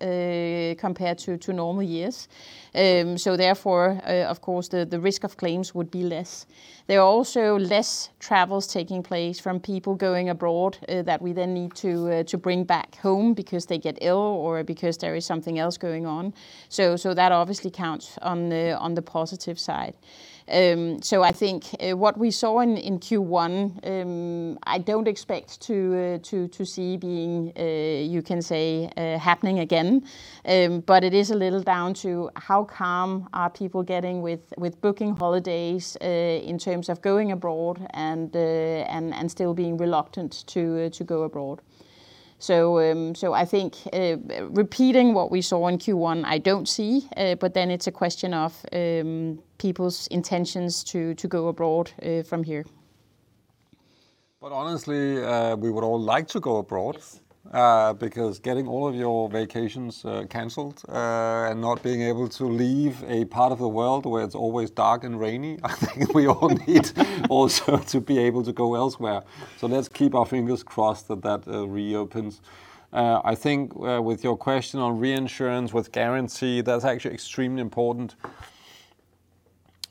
compared to normal years. Therefore, of course, the risk of claims would be less. There are also less travels taking place from people going abroad that we then need to bring back home because they get ill or because there is something else going on. That obviously counts on the positive side. I think what we saw in Q1, I don't expect to see being, you can say happening again, but it is a little down to how calm are people getting with booking holidays in terms of going abroad and still being reluctant to go abroad. I think repeating what we saw in Q1, I don't see, it's a question of people's intentions to go abroad from here. Honestly, we would all like to go abroad. Yes. Because getting all of your vacations canceled and not being able to leave a part of the world where it's always dark and rainy, I think we all need also to be able to go elsewhere. Let's keep our fingers crossed that that reopens. I think with your question on reinsurance with guarantee, that's actually extremely important.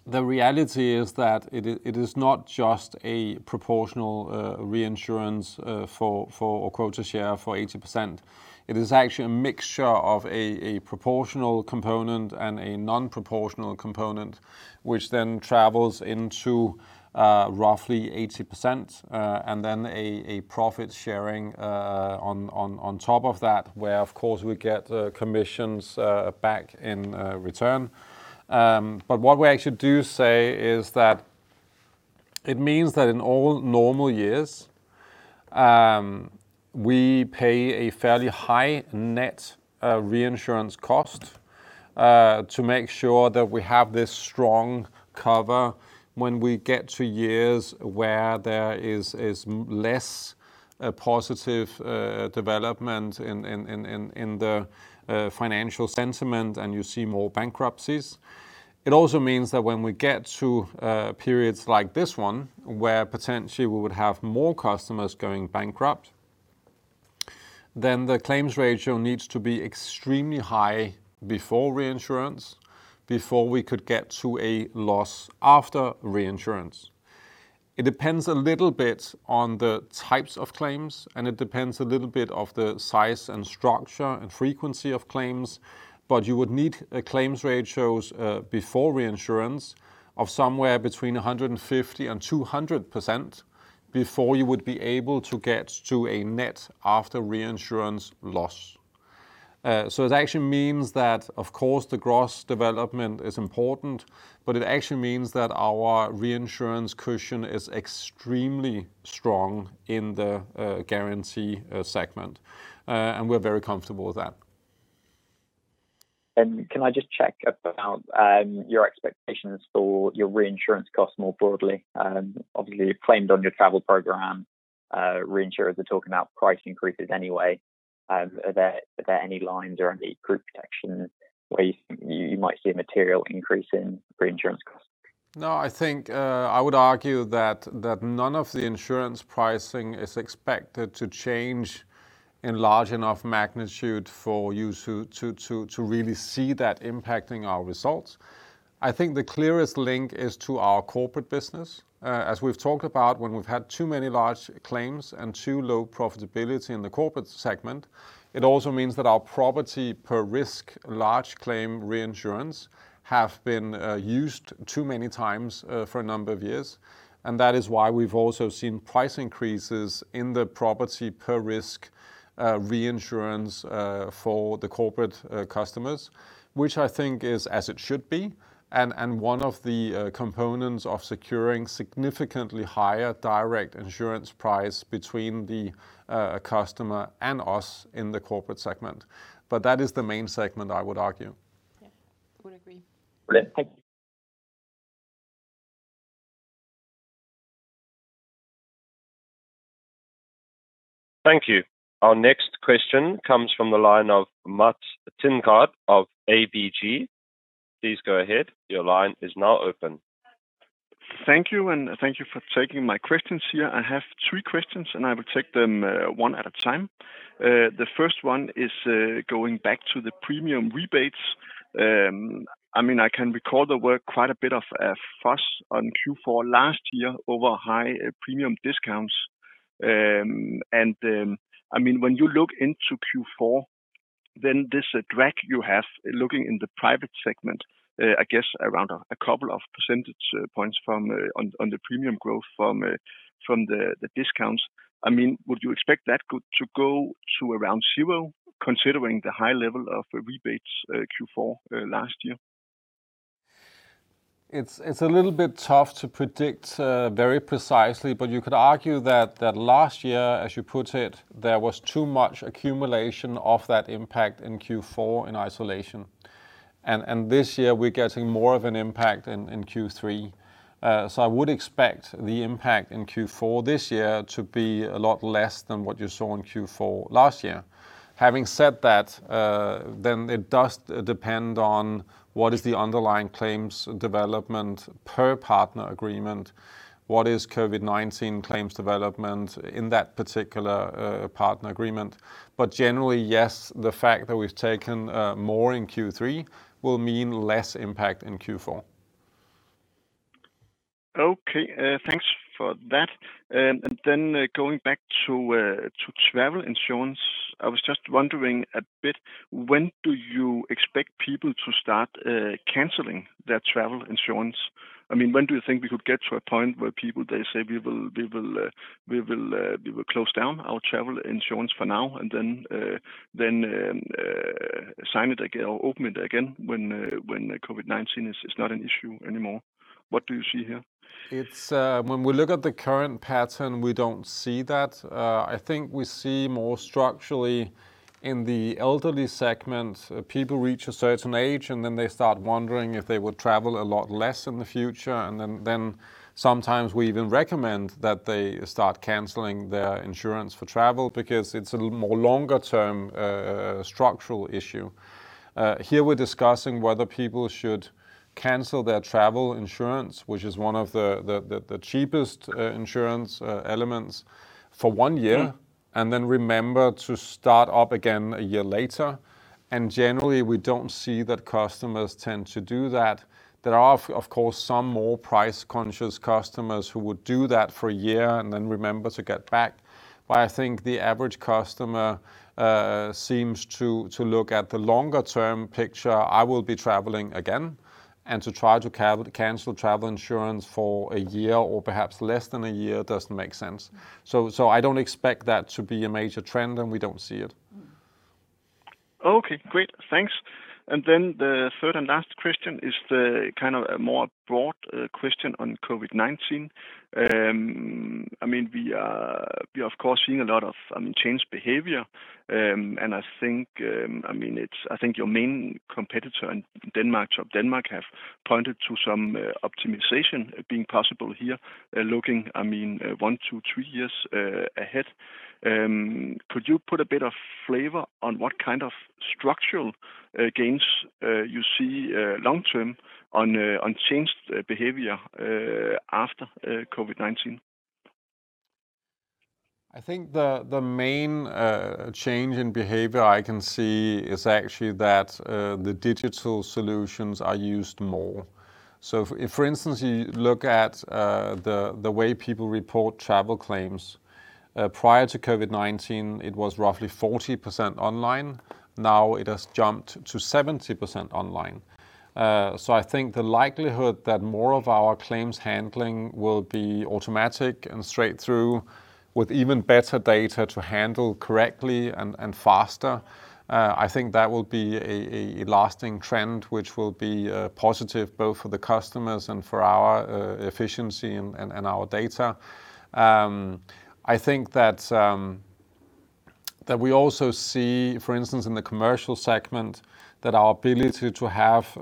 The reality is that it is not just a proportional reinsurance for a quota share for 80%. It is actually a mixture of a proportional component and a non-proportional component, which then travels into roughly 80%, and then a profit sharing on top of that, where, of course, we get commissions back in return. What we actually do say is that it means that in all normal years we pay a fairly high net reinsurance cost to make sure that we have this strong cover when we get to years where there is less positive development in the financial sentiment and you see more bankruptcies. It also means that when we get to periods like this one, where potentially we would have more customers going bankrupt, then the claims ratio needs to be extremely high before reinsurance, before we could get to a loss after reinsurance. It depends a little bit on the types of claims, and it depends a little bit of the size and structure and frequency of claims. You would need claims ratios before reinsurance of somewhere between 150% and 200% before you would be able to get to a net after reinsurance loss. It actually means that, of course, the gross development is important, but it actually means that our reinsurance cushion is extremely strong in the guarantee segment. We're very comfortable with that. Can I just check about your expectations for your reinsurance costs more broadly? Obviously, you've claimed on your travel program, reinsurers are talking about price increases anyway. Are there any lines around the group protection where you think you might see a material increase in reinsurance costs? No, I think I would argue that none of the insurance pricing is expected to change in large enough magnitude for you to really see that impacting our results. I think the clearest link is to our corporate business. As we've talked about when we've had too many large claims and too low profitability in the corporate segment, it also means that our property per risk large claim reinsurance have been used too many times for a number of years, and that is why we've also seen price increases in the property per risk reinsurance for the corporate customers, which I think is as it should be, and one of the components of securing significantly higher direct insurance price between the customer and us in the corporate segment. That is the main segment, I would argue. Yeah. Would agree. Great. Thank you. Thank you. Our next question comes from the line of Mads Thinggaard of ABG. Please go ahead, your line is now open. Thank you, and thank you for taking my questions here. I have three questions, and I will take them one at a time. The first one is going back to the premium rebates. I can recall there were quite a bit of a fuss on Q4 last year over high premium discounts. When you look into Q4, this drag you have looking in the private segment, I guess around a couple of percentage points on the premium growth from the discounts. Would you expect that to go to around zero considering the high level of rebates Q4 last year? It's a little bit tough to predict very precisely, but you could argue that last year, as you put it, there was too much accumulation of that impact in Q4 in isolation. This year we're getting more of an impact in Q3. I would expect the impact in Q4 this year to be a lot less than what you saw in Q4 last year. Having said that, then it does depend on what is the underlying claims development per partner agreement, what is COVID-19 claims development in that particular partner agreement. Generally, yes, the fact that we've taken more in Q3 will mean less impact in Q4. Okay. Thanks for that. Going back to travel insurance, I was just wondering a bit, when do you expect people to start canceling their travel insurance? When do you think we could get to a point where people they say, "We will close down our travel insurance for now," and then sign it again or open it again when COVID-19 is not an issue anymore? What do you see here? When we look at the current pattern, we don't see that. We see more structurally in the elderly segment, people reach a certain age, and then they start wondering if they would travel a lot less in the future. Sometimes we even recommend that they start canceling their insurance for travel because it's a more longer-term structural issue. Here we're discussing whether people should cancel their travel insurance, which is one of the cheapest insurance elements for one year, and then remember to start up again a year later. Generally, we don't see that customers tend to do that. There are, of course, some more price-conscious customers who would do that for a year and then remember to get back. I think the average customer seems to look at the longer term picture, I will be traveling again, and to try to cancel travel insurance for a year or perhaps less than a year doesn't make sense. I don't expect that to be a major trend, and we don't see it. Okay, great. Thanks. The third and last question is the kind of more broad question on COVID-19. We are, of course, seeing a lot of changed behavior. I think your main competitor in Denmark, Topdanmark, have pointed to some optimization being possible here looking one to three years ahead. Could you put a bit of flavor on what kind of structural gains you see long term on changed behavior after COVID-19? I think the main change in behavior I can see is actually that the digital solutions are used more. If, for instance, you look at the way people report travel claims. Prior to COVID-19, it was roughly 40% online. Now it has jumped to 70% online. I think the likelihood that more of our claims handling will be automatic and straight through with even better data to handle correctly and faster, I think that will be a lasting trend which will be positive both for the customers and for our efficiency and our data. I think that we also see, for instance, in the commercial segment, that our ability to have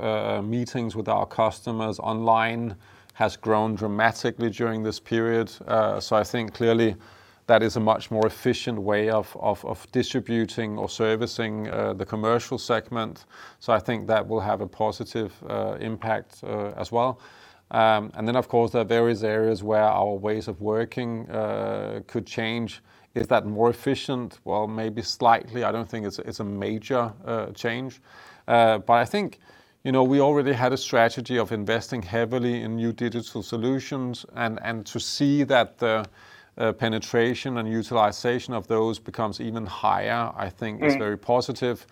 meetings with our customers online has grown dramatically during this period. I think clearly that is a much more efficient way of distributing or servicing the commercial segment. I think that will have a positive impact as well. Of course, there are various areas where our ways of working could change. Is that more efficient? Maybe slightly. I don't think it's a major change. I think we already had a strategy of investing heavily in new digital solutions and to see that the penetration and utilization of those becomes even higher, I think is very positive.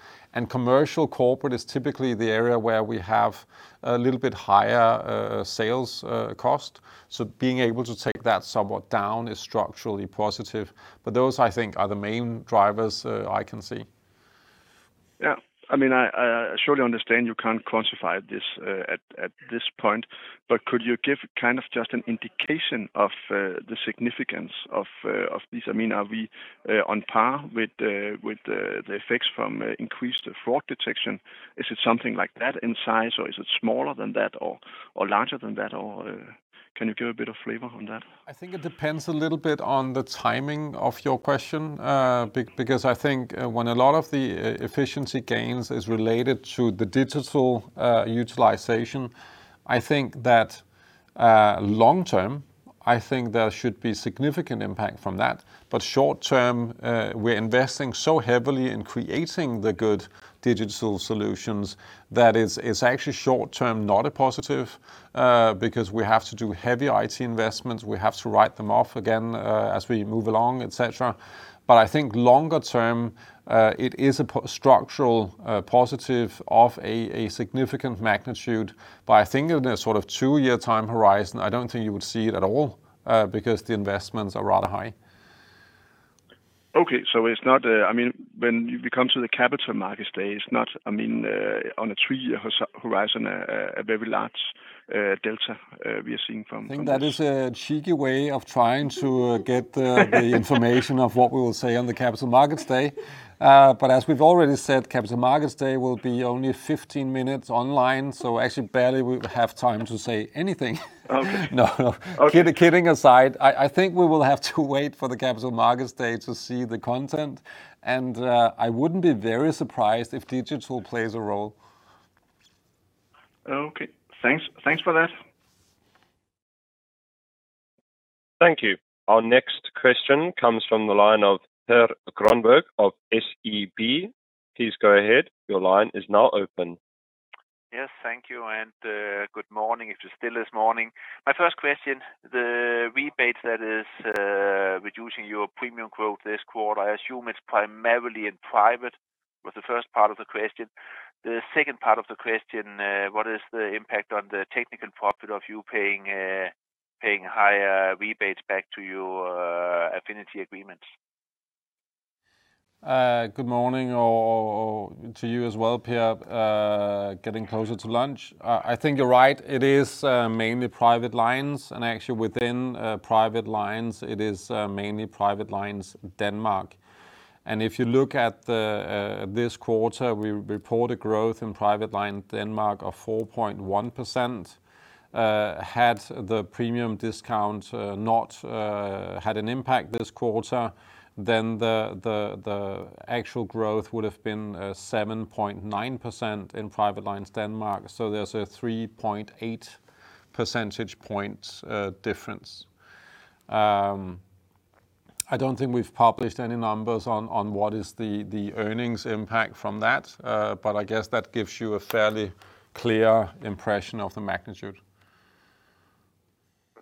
Commercial corporate is typically the area where we have a little bit higher sales cost. Being able to take that somewhat down is structurally positive. Those I think are the main drivers I can see. Yeah. I surely understand you can't quantify this at this point, but could you give kind of just an indication of the significance of these? Are we on par with the effects from increased fraud detection? Is it something like that in size or is it smaller than that or larger than that? Can you give a bit of flavor on that? I think it depends a little bit on the timing of your question, because I think when a lot of the efficiency gains is related to the digital utilization, I think that long-term, I think there should be significant impact from that. Short-term, we're investing so heavily in creating the good digital solutions that it's actually short-term not a positive, because we have to do heavy IT investments. We have to write them off again as we move along, et cetera. I think longer-term, it is a structural positive of a significant magnitude. I think in a sort of two-year time horizon, I don't think you would see it at all, because the investments are rather high. Okay. When we come to the Capital Markets Day, it's not on a three-year horizon, a very large delta we are seeing from this. I think that is a cheeky way of trying to get the information of what we will say on the Capital Markets Day. As we've already said, Capital Markets Day will be only 15 minutes online, so actually barely we have time to say anything. Okay. No, kidding aside, I think we will have to wait for the Capital Markets Day to see the content. I wouldn't be very surprised if digital plays a role. Okay. Thanks for that. Thank you. Our next question comes from the line of Per Grønborg of SEB. Please go ahead. Yes, thank you. Good morning, if it's still is morning. My first question, the rebate that is reducing your premium growth this quarter, I assume it's primarily in private, was the first part of the question. The second part of the question, what is the impact on the technical profit of you paying higher rebates back to your affinity agreements? Good morning to you as well, Per. Getting closer to lunch. I think you're right. It is mainly private lines. Actually within private lines, it is mainly private lines Denmark. If you look at this quarter, we reported growth in private line Denmark of 4.1%. Had the premium discount not had an impact this quarter, the actual growth would have been 7.9% in private lines Denmark. There's a 3.8 percentage points difference. I don't think we've published any numbers on what is the earnings impact from that, I guess that gives you a fairly clear impression of the magnitude.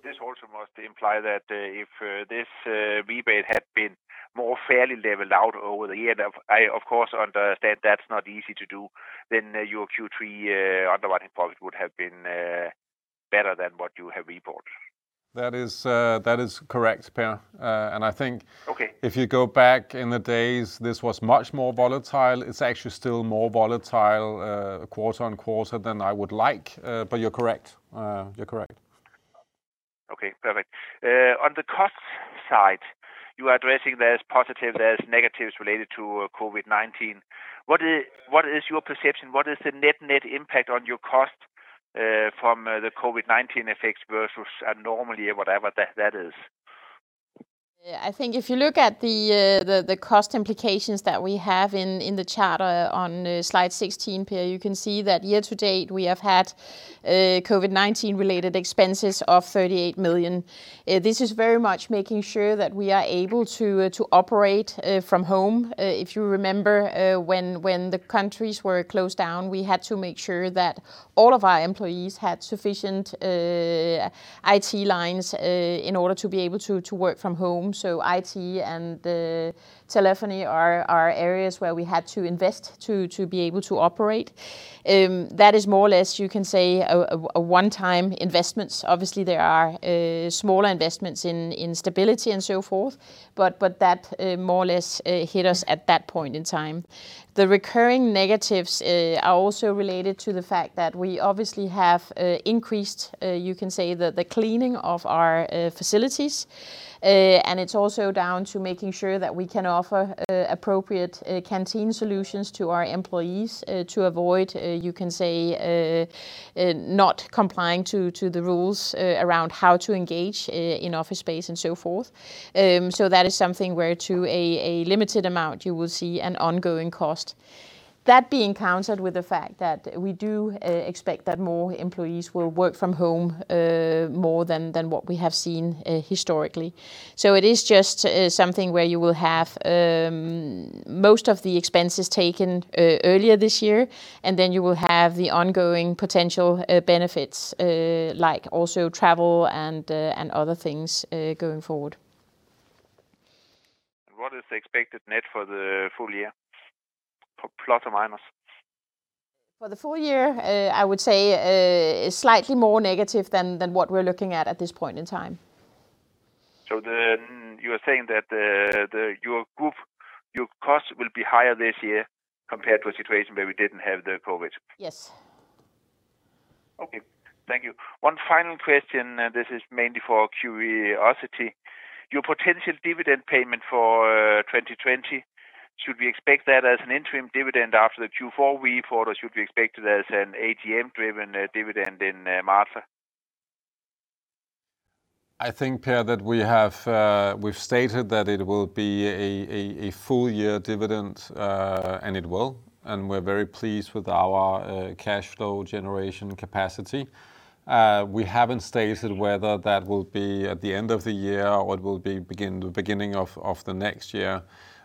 This also must imply that if this rebate had been more fairly leveled out over the year, I of course understand that's not easy to do, then your Q3 underwriting profit would have been better than what you have reported. That is correct, Per. If you go back in the days, this was much more volatile. It's actually still more volatile quarter-on-quarter than I would like, but you're correct. Okay, perfect. On the cost side, you are addressing there is positives, there is negatives related to COVID-19. What is your perception? What is the net impact on your cost from the COVID-19 effects versus a normally, whatever that is? I think if you look at the cost implications that we have in the charter on slide 16, Per, you can see that year to date, we have had COVID-19 related expenses of 38 million. This is very much making sure that we are able to operate from home. If you remember when the countries were closed down, we had to make sure that all of our employees had sufficient IT lines in order to be able to work from home. IT and the telephony are areas where we had to invest to be able to operate. That is more or less, you can say, a one-time investment. Obviously, there are smaller investments in stability and so forth, but that more or less hit us at that point in time. The recurring negatives are also related to the fact that we obviously have increased, you can say, the cleaning of our facilities. It's also down to making sure that we can offer appropriate canteen solutions to our employees to avoid, you can say, not complying to the rules around how to engage in office space and so forth. That is something where to a limited amount you will see an ongoing cost. That being countered with the fact that we do expect that more employees will work from home, more than what we have seen historically. It is just something where you will have most of the expenses taken earlier this year, and then you will have the ongoing potential benefits, like also travel and other things going forward. What is the expected net for the full-year, plus or minus? For the full-year, I would say slightly more negative than what we're looking at at this point in time. You are saying that your group, your costs will be higher this year compared to a situation where we didn't have the COVID? Yes. Okay. Thank you. One final question, this is mainly for curiosity. Your potential dividend payment for 2020, should we expect that as an interim dividend after the Q4 report, or should we expect it as an AGM driven dividend in March? I think, Per, that we've stated that it will be a full-year dividend, and it will, and we're very pleased with our cash flow generation capacity. We haven't stated whether that will be at the end of the year or it will be beginning of the next year.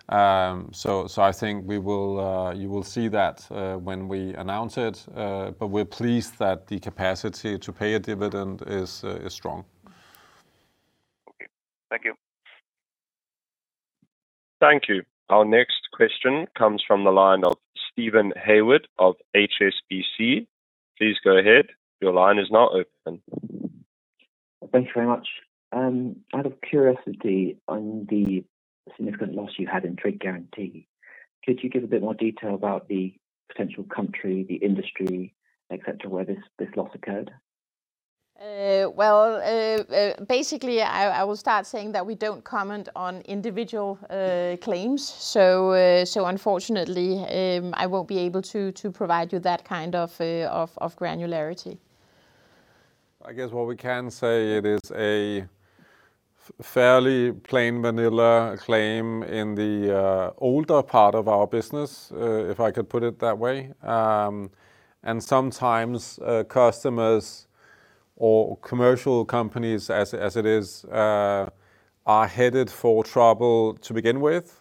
I think you will see that when we announce it. We're pleased that the capacity to pay a dividend is strong. Okay. Thank you. Thank you. Our next question comes from the line of Steven Haywood of HSBC. Please go ahead. Your line is now open. Thanks very much. Out of curiosity on the significant loss you had in trade guarantee, could you give a bit more detail about the potential country, the industry, et cetera, where this loss occurred? Well, basically, I will start saying that we don't comment on individual claims. Unfortunately, I won't be able to provide you that kind of granularity. I guess what we can say it is a fairly plain vanilla claim in the older part of our business, if I could put it that way. Sometimes customers or commercial companies as it is, are headed for trouble to begin with,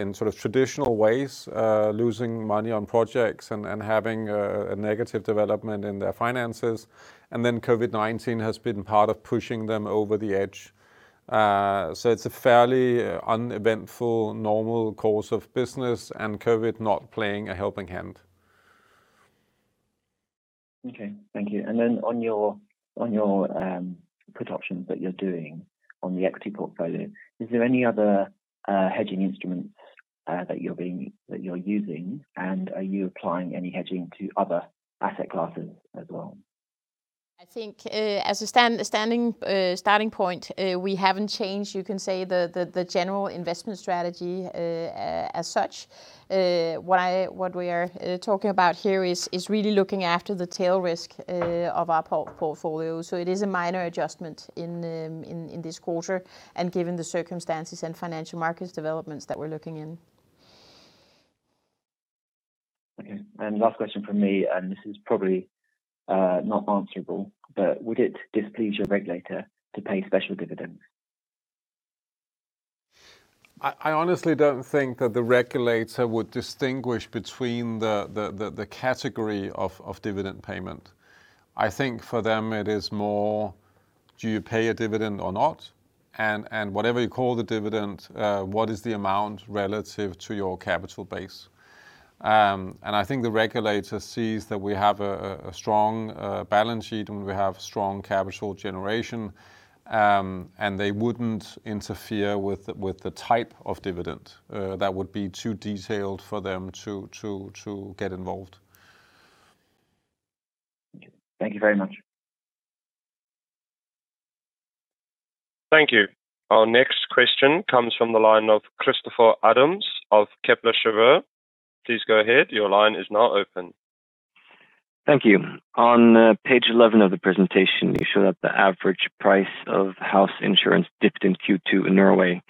in sort of traditional ways, losing money on projects and having a negative development in their finances. COVID-19 has been part of pushing them over the edge. It's a fairly uneventful normal course of business and COVID not playing a helping hand. Okay. Thank you. On your put options that you're doing on the equity portfolio, is there any other hedging instruments that you're using, and are you applying any hedging to other asset classes as well? I think as a starting point, we haven't changed, you can say, the general investment strategy as such. What we are talking about here is really looking after the tail risk of our portfolio. It is a minor adjustment in this quarter, and given the circumstances and financial markets developments that we're looking in. Okay, last question from me, and this is probably not answerable, but would it displease your regulator to pay special dividends? I honestly don't think that the regulator would distinguish between the category of dividend payment. I think for them it is more do you pay a dividend or not? Whatever you call the dividend, what is the amount relative to your capital base? I think the regulator sees that we have a strong balance sheet, and we have strong capital generation, and they wouldn't interfere with the type of dividend. That would be too detailed for them to get involved. Thank you very much. Thank you. Our next question comes from the line of Christoffer Adams of Kepler Cheuvreux. Please go ahead. Thank you. On page 11 of the presentation, you show that the average price of Property insurance dipped in Q2 in Norway,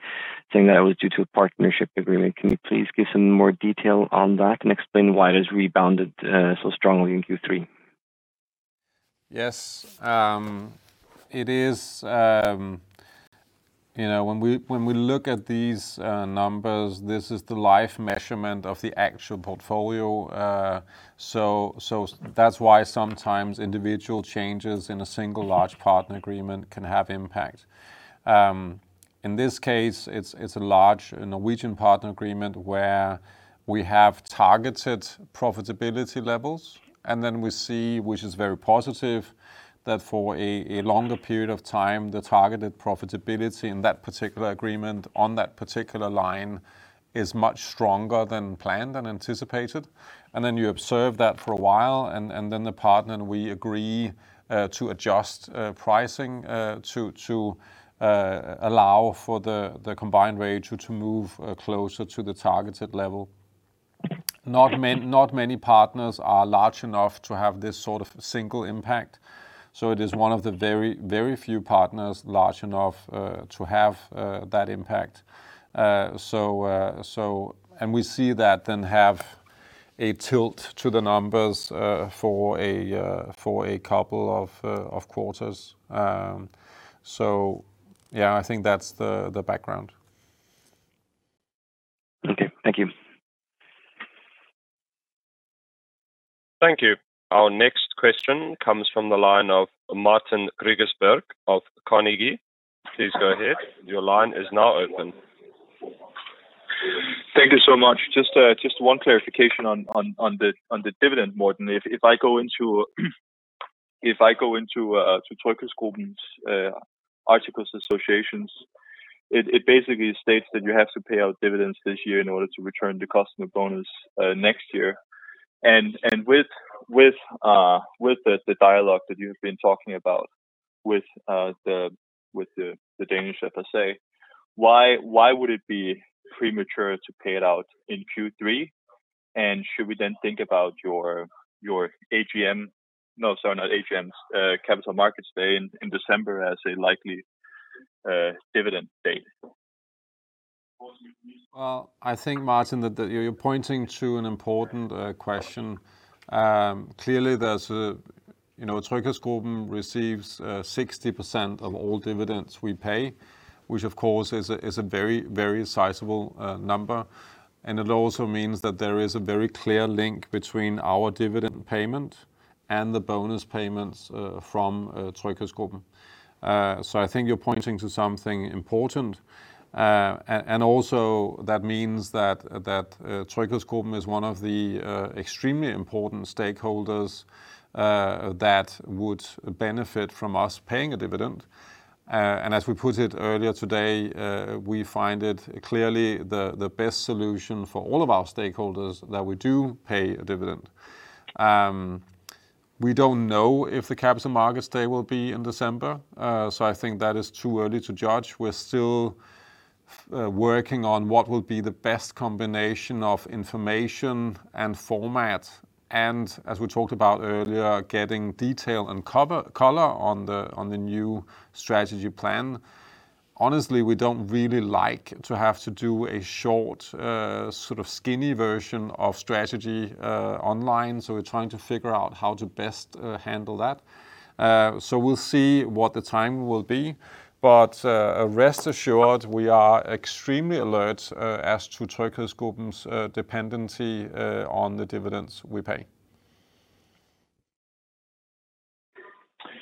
saying that it was due to a partnership agreement. Can you please give some more detail on that and explain why it has rebounded so strongly in Q3? When we look at these numbers, this is the live measurement of the actual portfolio. That's why sometimes individual changes in a single large partner agreement can have impact. In this case, it's a large Norwegian partner agreement where we have targeted profitability levels, and then we see, which is very positive, that for a longer period of time, the targeted profitability in that particular agreement on that particular line is much stronger than planned and anticipated. You observe that for a while, and then the partner and we agree to adjust pricing to allow for the combined ratio to move closer to the targeted level. Not many partners are large enough to have this sort of single impact, so it is one of the very few partners large enough to have that impact. We see that then have a tilt to the numbers for a couple of quarters. I think that's the background. Okay. Thank you. Thank you. Our next question comes from the line of Martin Gregers Birk of Carnegie. Please go ahead. Your line is now open. Thank you so much. Just one clarification on the dividend, Morten. If I go into TryghedsGruppen's articles of associations, it basically states that you have to pay out dividends this year in order to return the customer bonus next year. With the dialogue that you've been talking about with the Danish FSA, why would it be premature to pay it out in Q3? Should we then think about your Capital Markets Day in December as a likely dividend date? Well, I think, Martin, that you're pointing to an important question. Clearly, TryghedsGruppen receives 60% of all dividends we pay, which of course is a very sizable number. It also means that there is a very clear link between our dividend payment and the bonus payments from TryghedsGruppen. I think you're pointing to something important. Also that means that TryghedsGruppen is one of the extremely important stakeholders that would benefit from us paying a dividend. As we put it earlier today, we find it clearly the best solution for all of our stakeholders that we do pay a dividend. We don't know if the Capital Markets Day will be in December. I think that is too early to judge. We're still working on what will be the best combination of information and format, as we talked about earlier, getting detail and color on the new strategy plan. Honestly, we don't really like to have to do a short sort of skinny version of strategy online, we're trying to figure out how to best handle that. We'll see what the time will be. Rest assured, we are extremely alert as to TryghedsGruppen's dependency on the dividends we pay.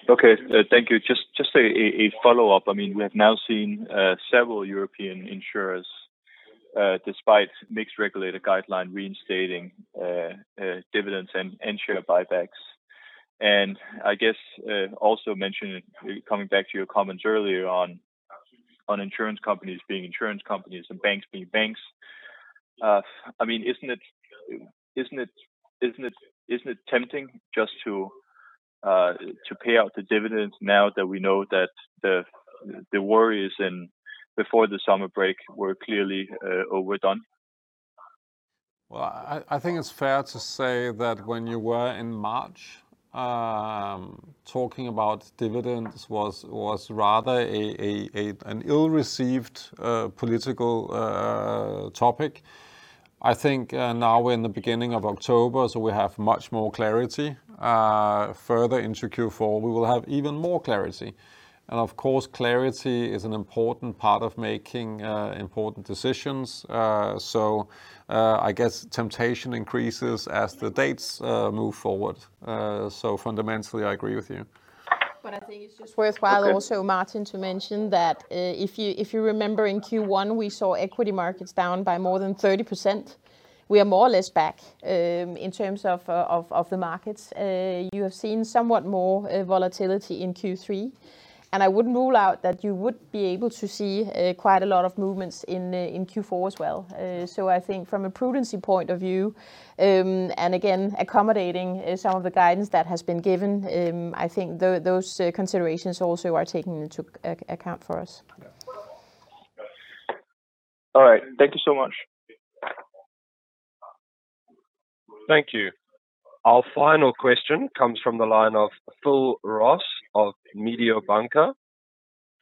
Okay. Thank you. Just a follow-up. We have now seen several European insurers, despite mixed regulator guideline, reinstating dividends and share buybacks. I guess also mention, coming back to your comments earlier on insurance companies being insurance companies and banks being banks, isn't it tempting just to pay out the dividends now that we know that the worries before the summer break were clearly overdone? Well, I think it's fair to say that when you were in March, talking about dividends was rather an ill-received political topic. I think now we're in the beginning of October, we have much more clarity. Further into Q4, we will have even more clarity. Of course, clarity is an important part of making important decisions. I guess temptation increases as the dates move forward. Fundamentally, I agree with you. I think it's just worthwhile also, Martin, to mention that if you remember in Q1, we saw equity markets down by more than 30%. We are more or less back in terms of the markets. You have seen somewhat more volatility in Q3, and I wouldn't rule out that you would be able to see quite a lot of movements in Q4 as well. I think from a prudency point of view, and again, accommodating some of the guidance that has been given, I think those considerations also are taken into account for us. All right. Thank you so much. Thank you. Our final question comes from the line of Phil Ross of Mediobanca.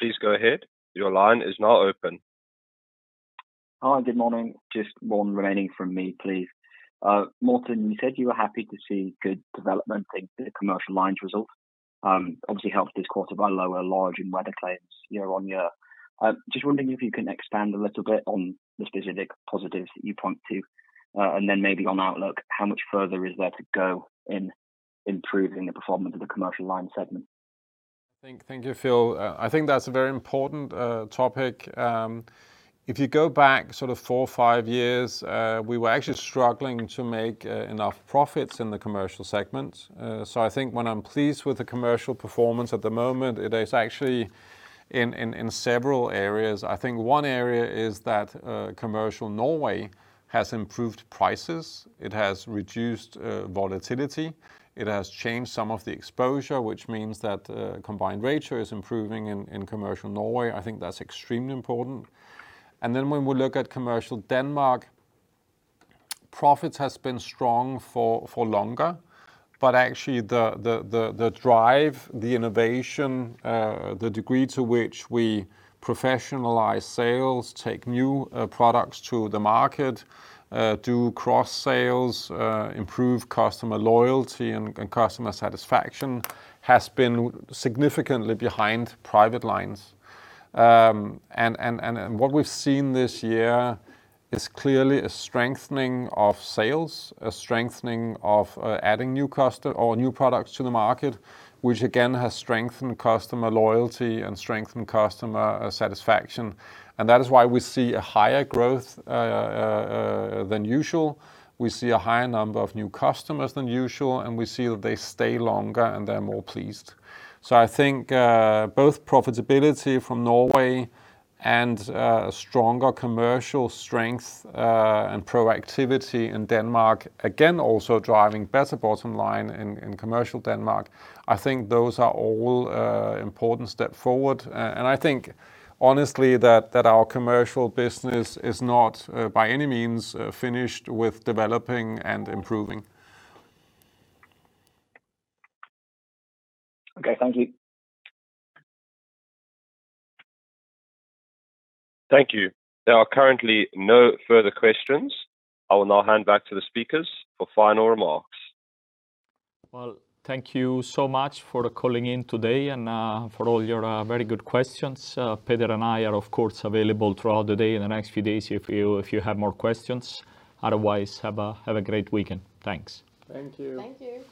Please go ahead. Hi, good morning. Just one remaining from me, please. Morten, you said you were happy to see good development in the commercial lines result. Obviously helped this quarter by lower large and weather claims year on year. Just wondering if you can expand a little bit on the specific positives that you point to, and then maybe on outlook, how much further is there to go in improving the performance of the commercial line segment? Thank you, Phil. I think that's a very important topic. If you go back sort of four or five years, we were actually struggling to make enough profits in the commercial segment. I think when I'm pleased with the commercial performance at the moment, it is actually in several areas. I think one area is that commercial Norway has improved prices, it has reduced volatility, it has changed some of the exposure, which means that combined ratio is improving in commercial Norway. I think that's extremely important. When we look at commercial Denmark, profits has been strong for longer, but actually the drive, the innovation, the degree to which we professionalize sales, take new products to the market, do cross sales, improve customer loyalty and customer satisfaction has been significantly behind private lines. What we've seen this year is clearly a strengthening of sales, a strengthening of adding new products to the market, which again has strengthened customer loyalty and strengthened customer satisfaction. That is why we see a higher growth than usual. We see a higher number of new customers than usual, and we see that they stay longer and they're more pleased. I think both profitability from Norway and a stronger commercial strength and proactivity in Denmark, again also driving better bottom line in commercial Denmark. I think those are all important step forward. I think honestly that our commercial business is not by any means finished with developing and improving. Okay. Thank you. Thank you. There are currently no further questions. I will now hand back to the speakers for final remarks. Thank you so much for calling in today and for all your very good questions. Peter and I are of course available throughout the day in the next few days if you have more questions. Otherwise, have a great weekend. Thanks. Thank you. Thank you.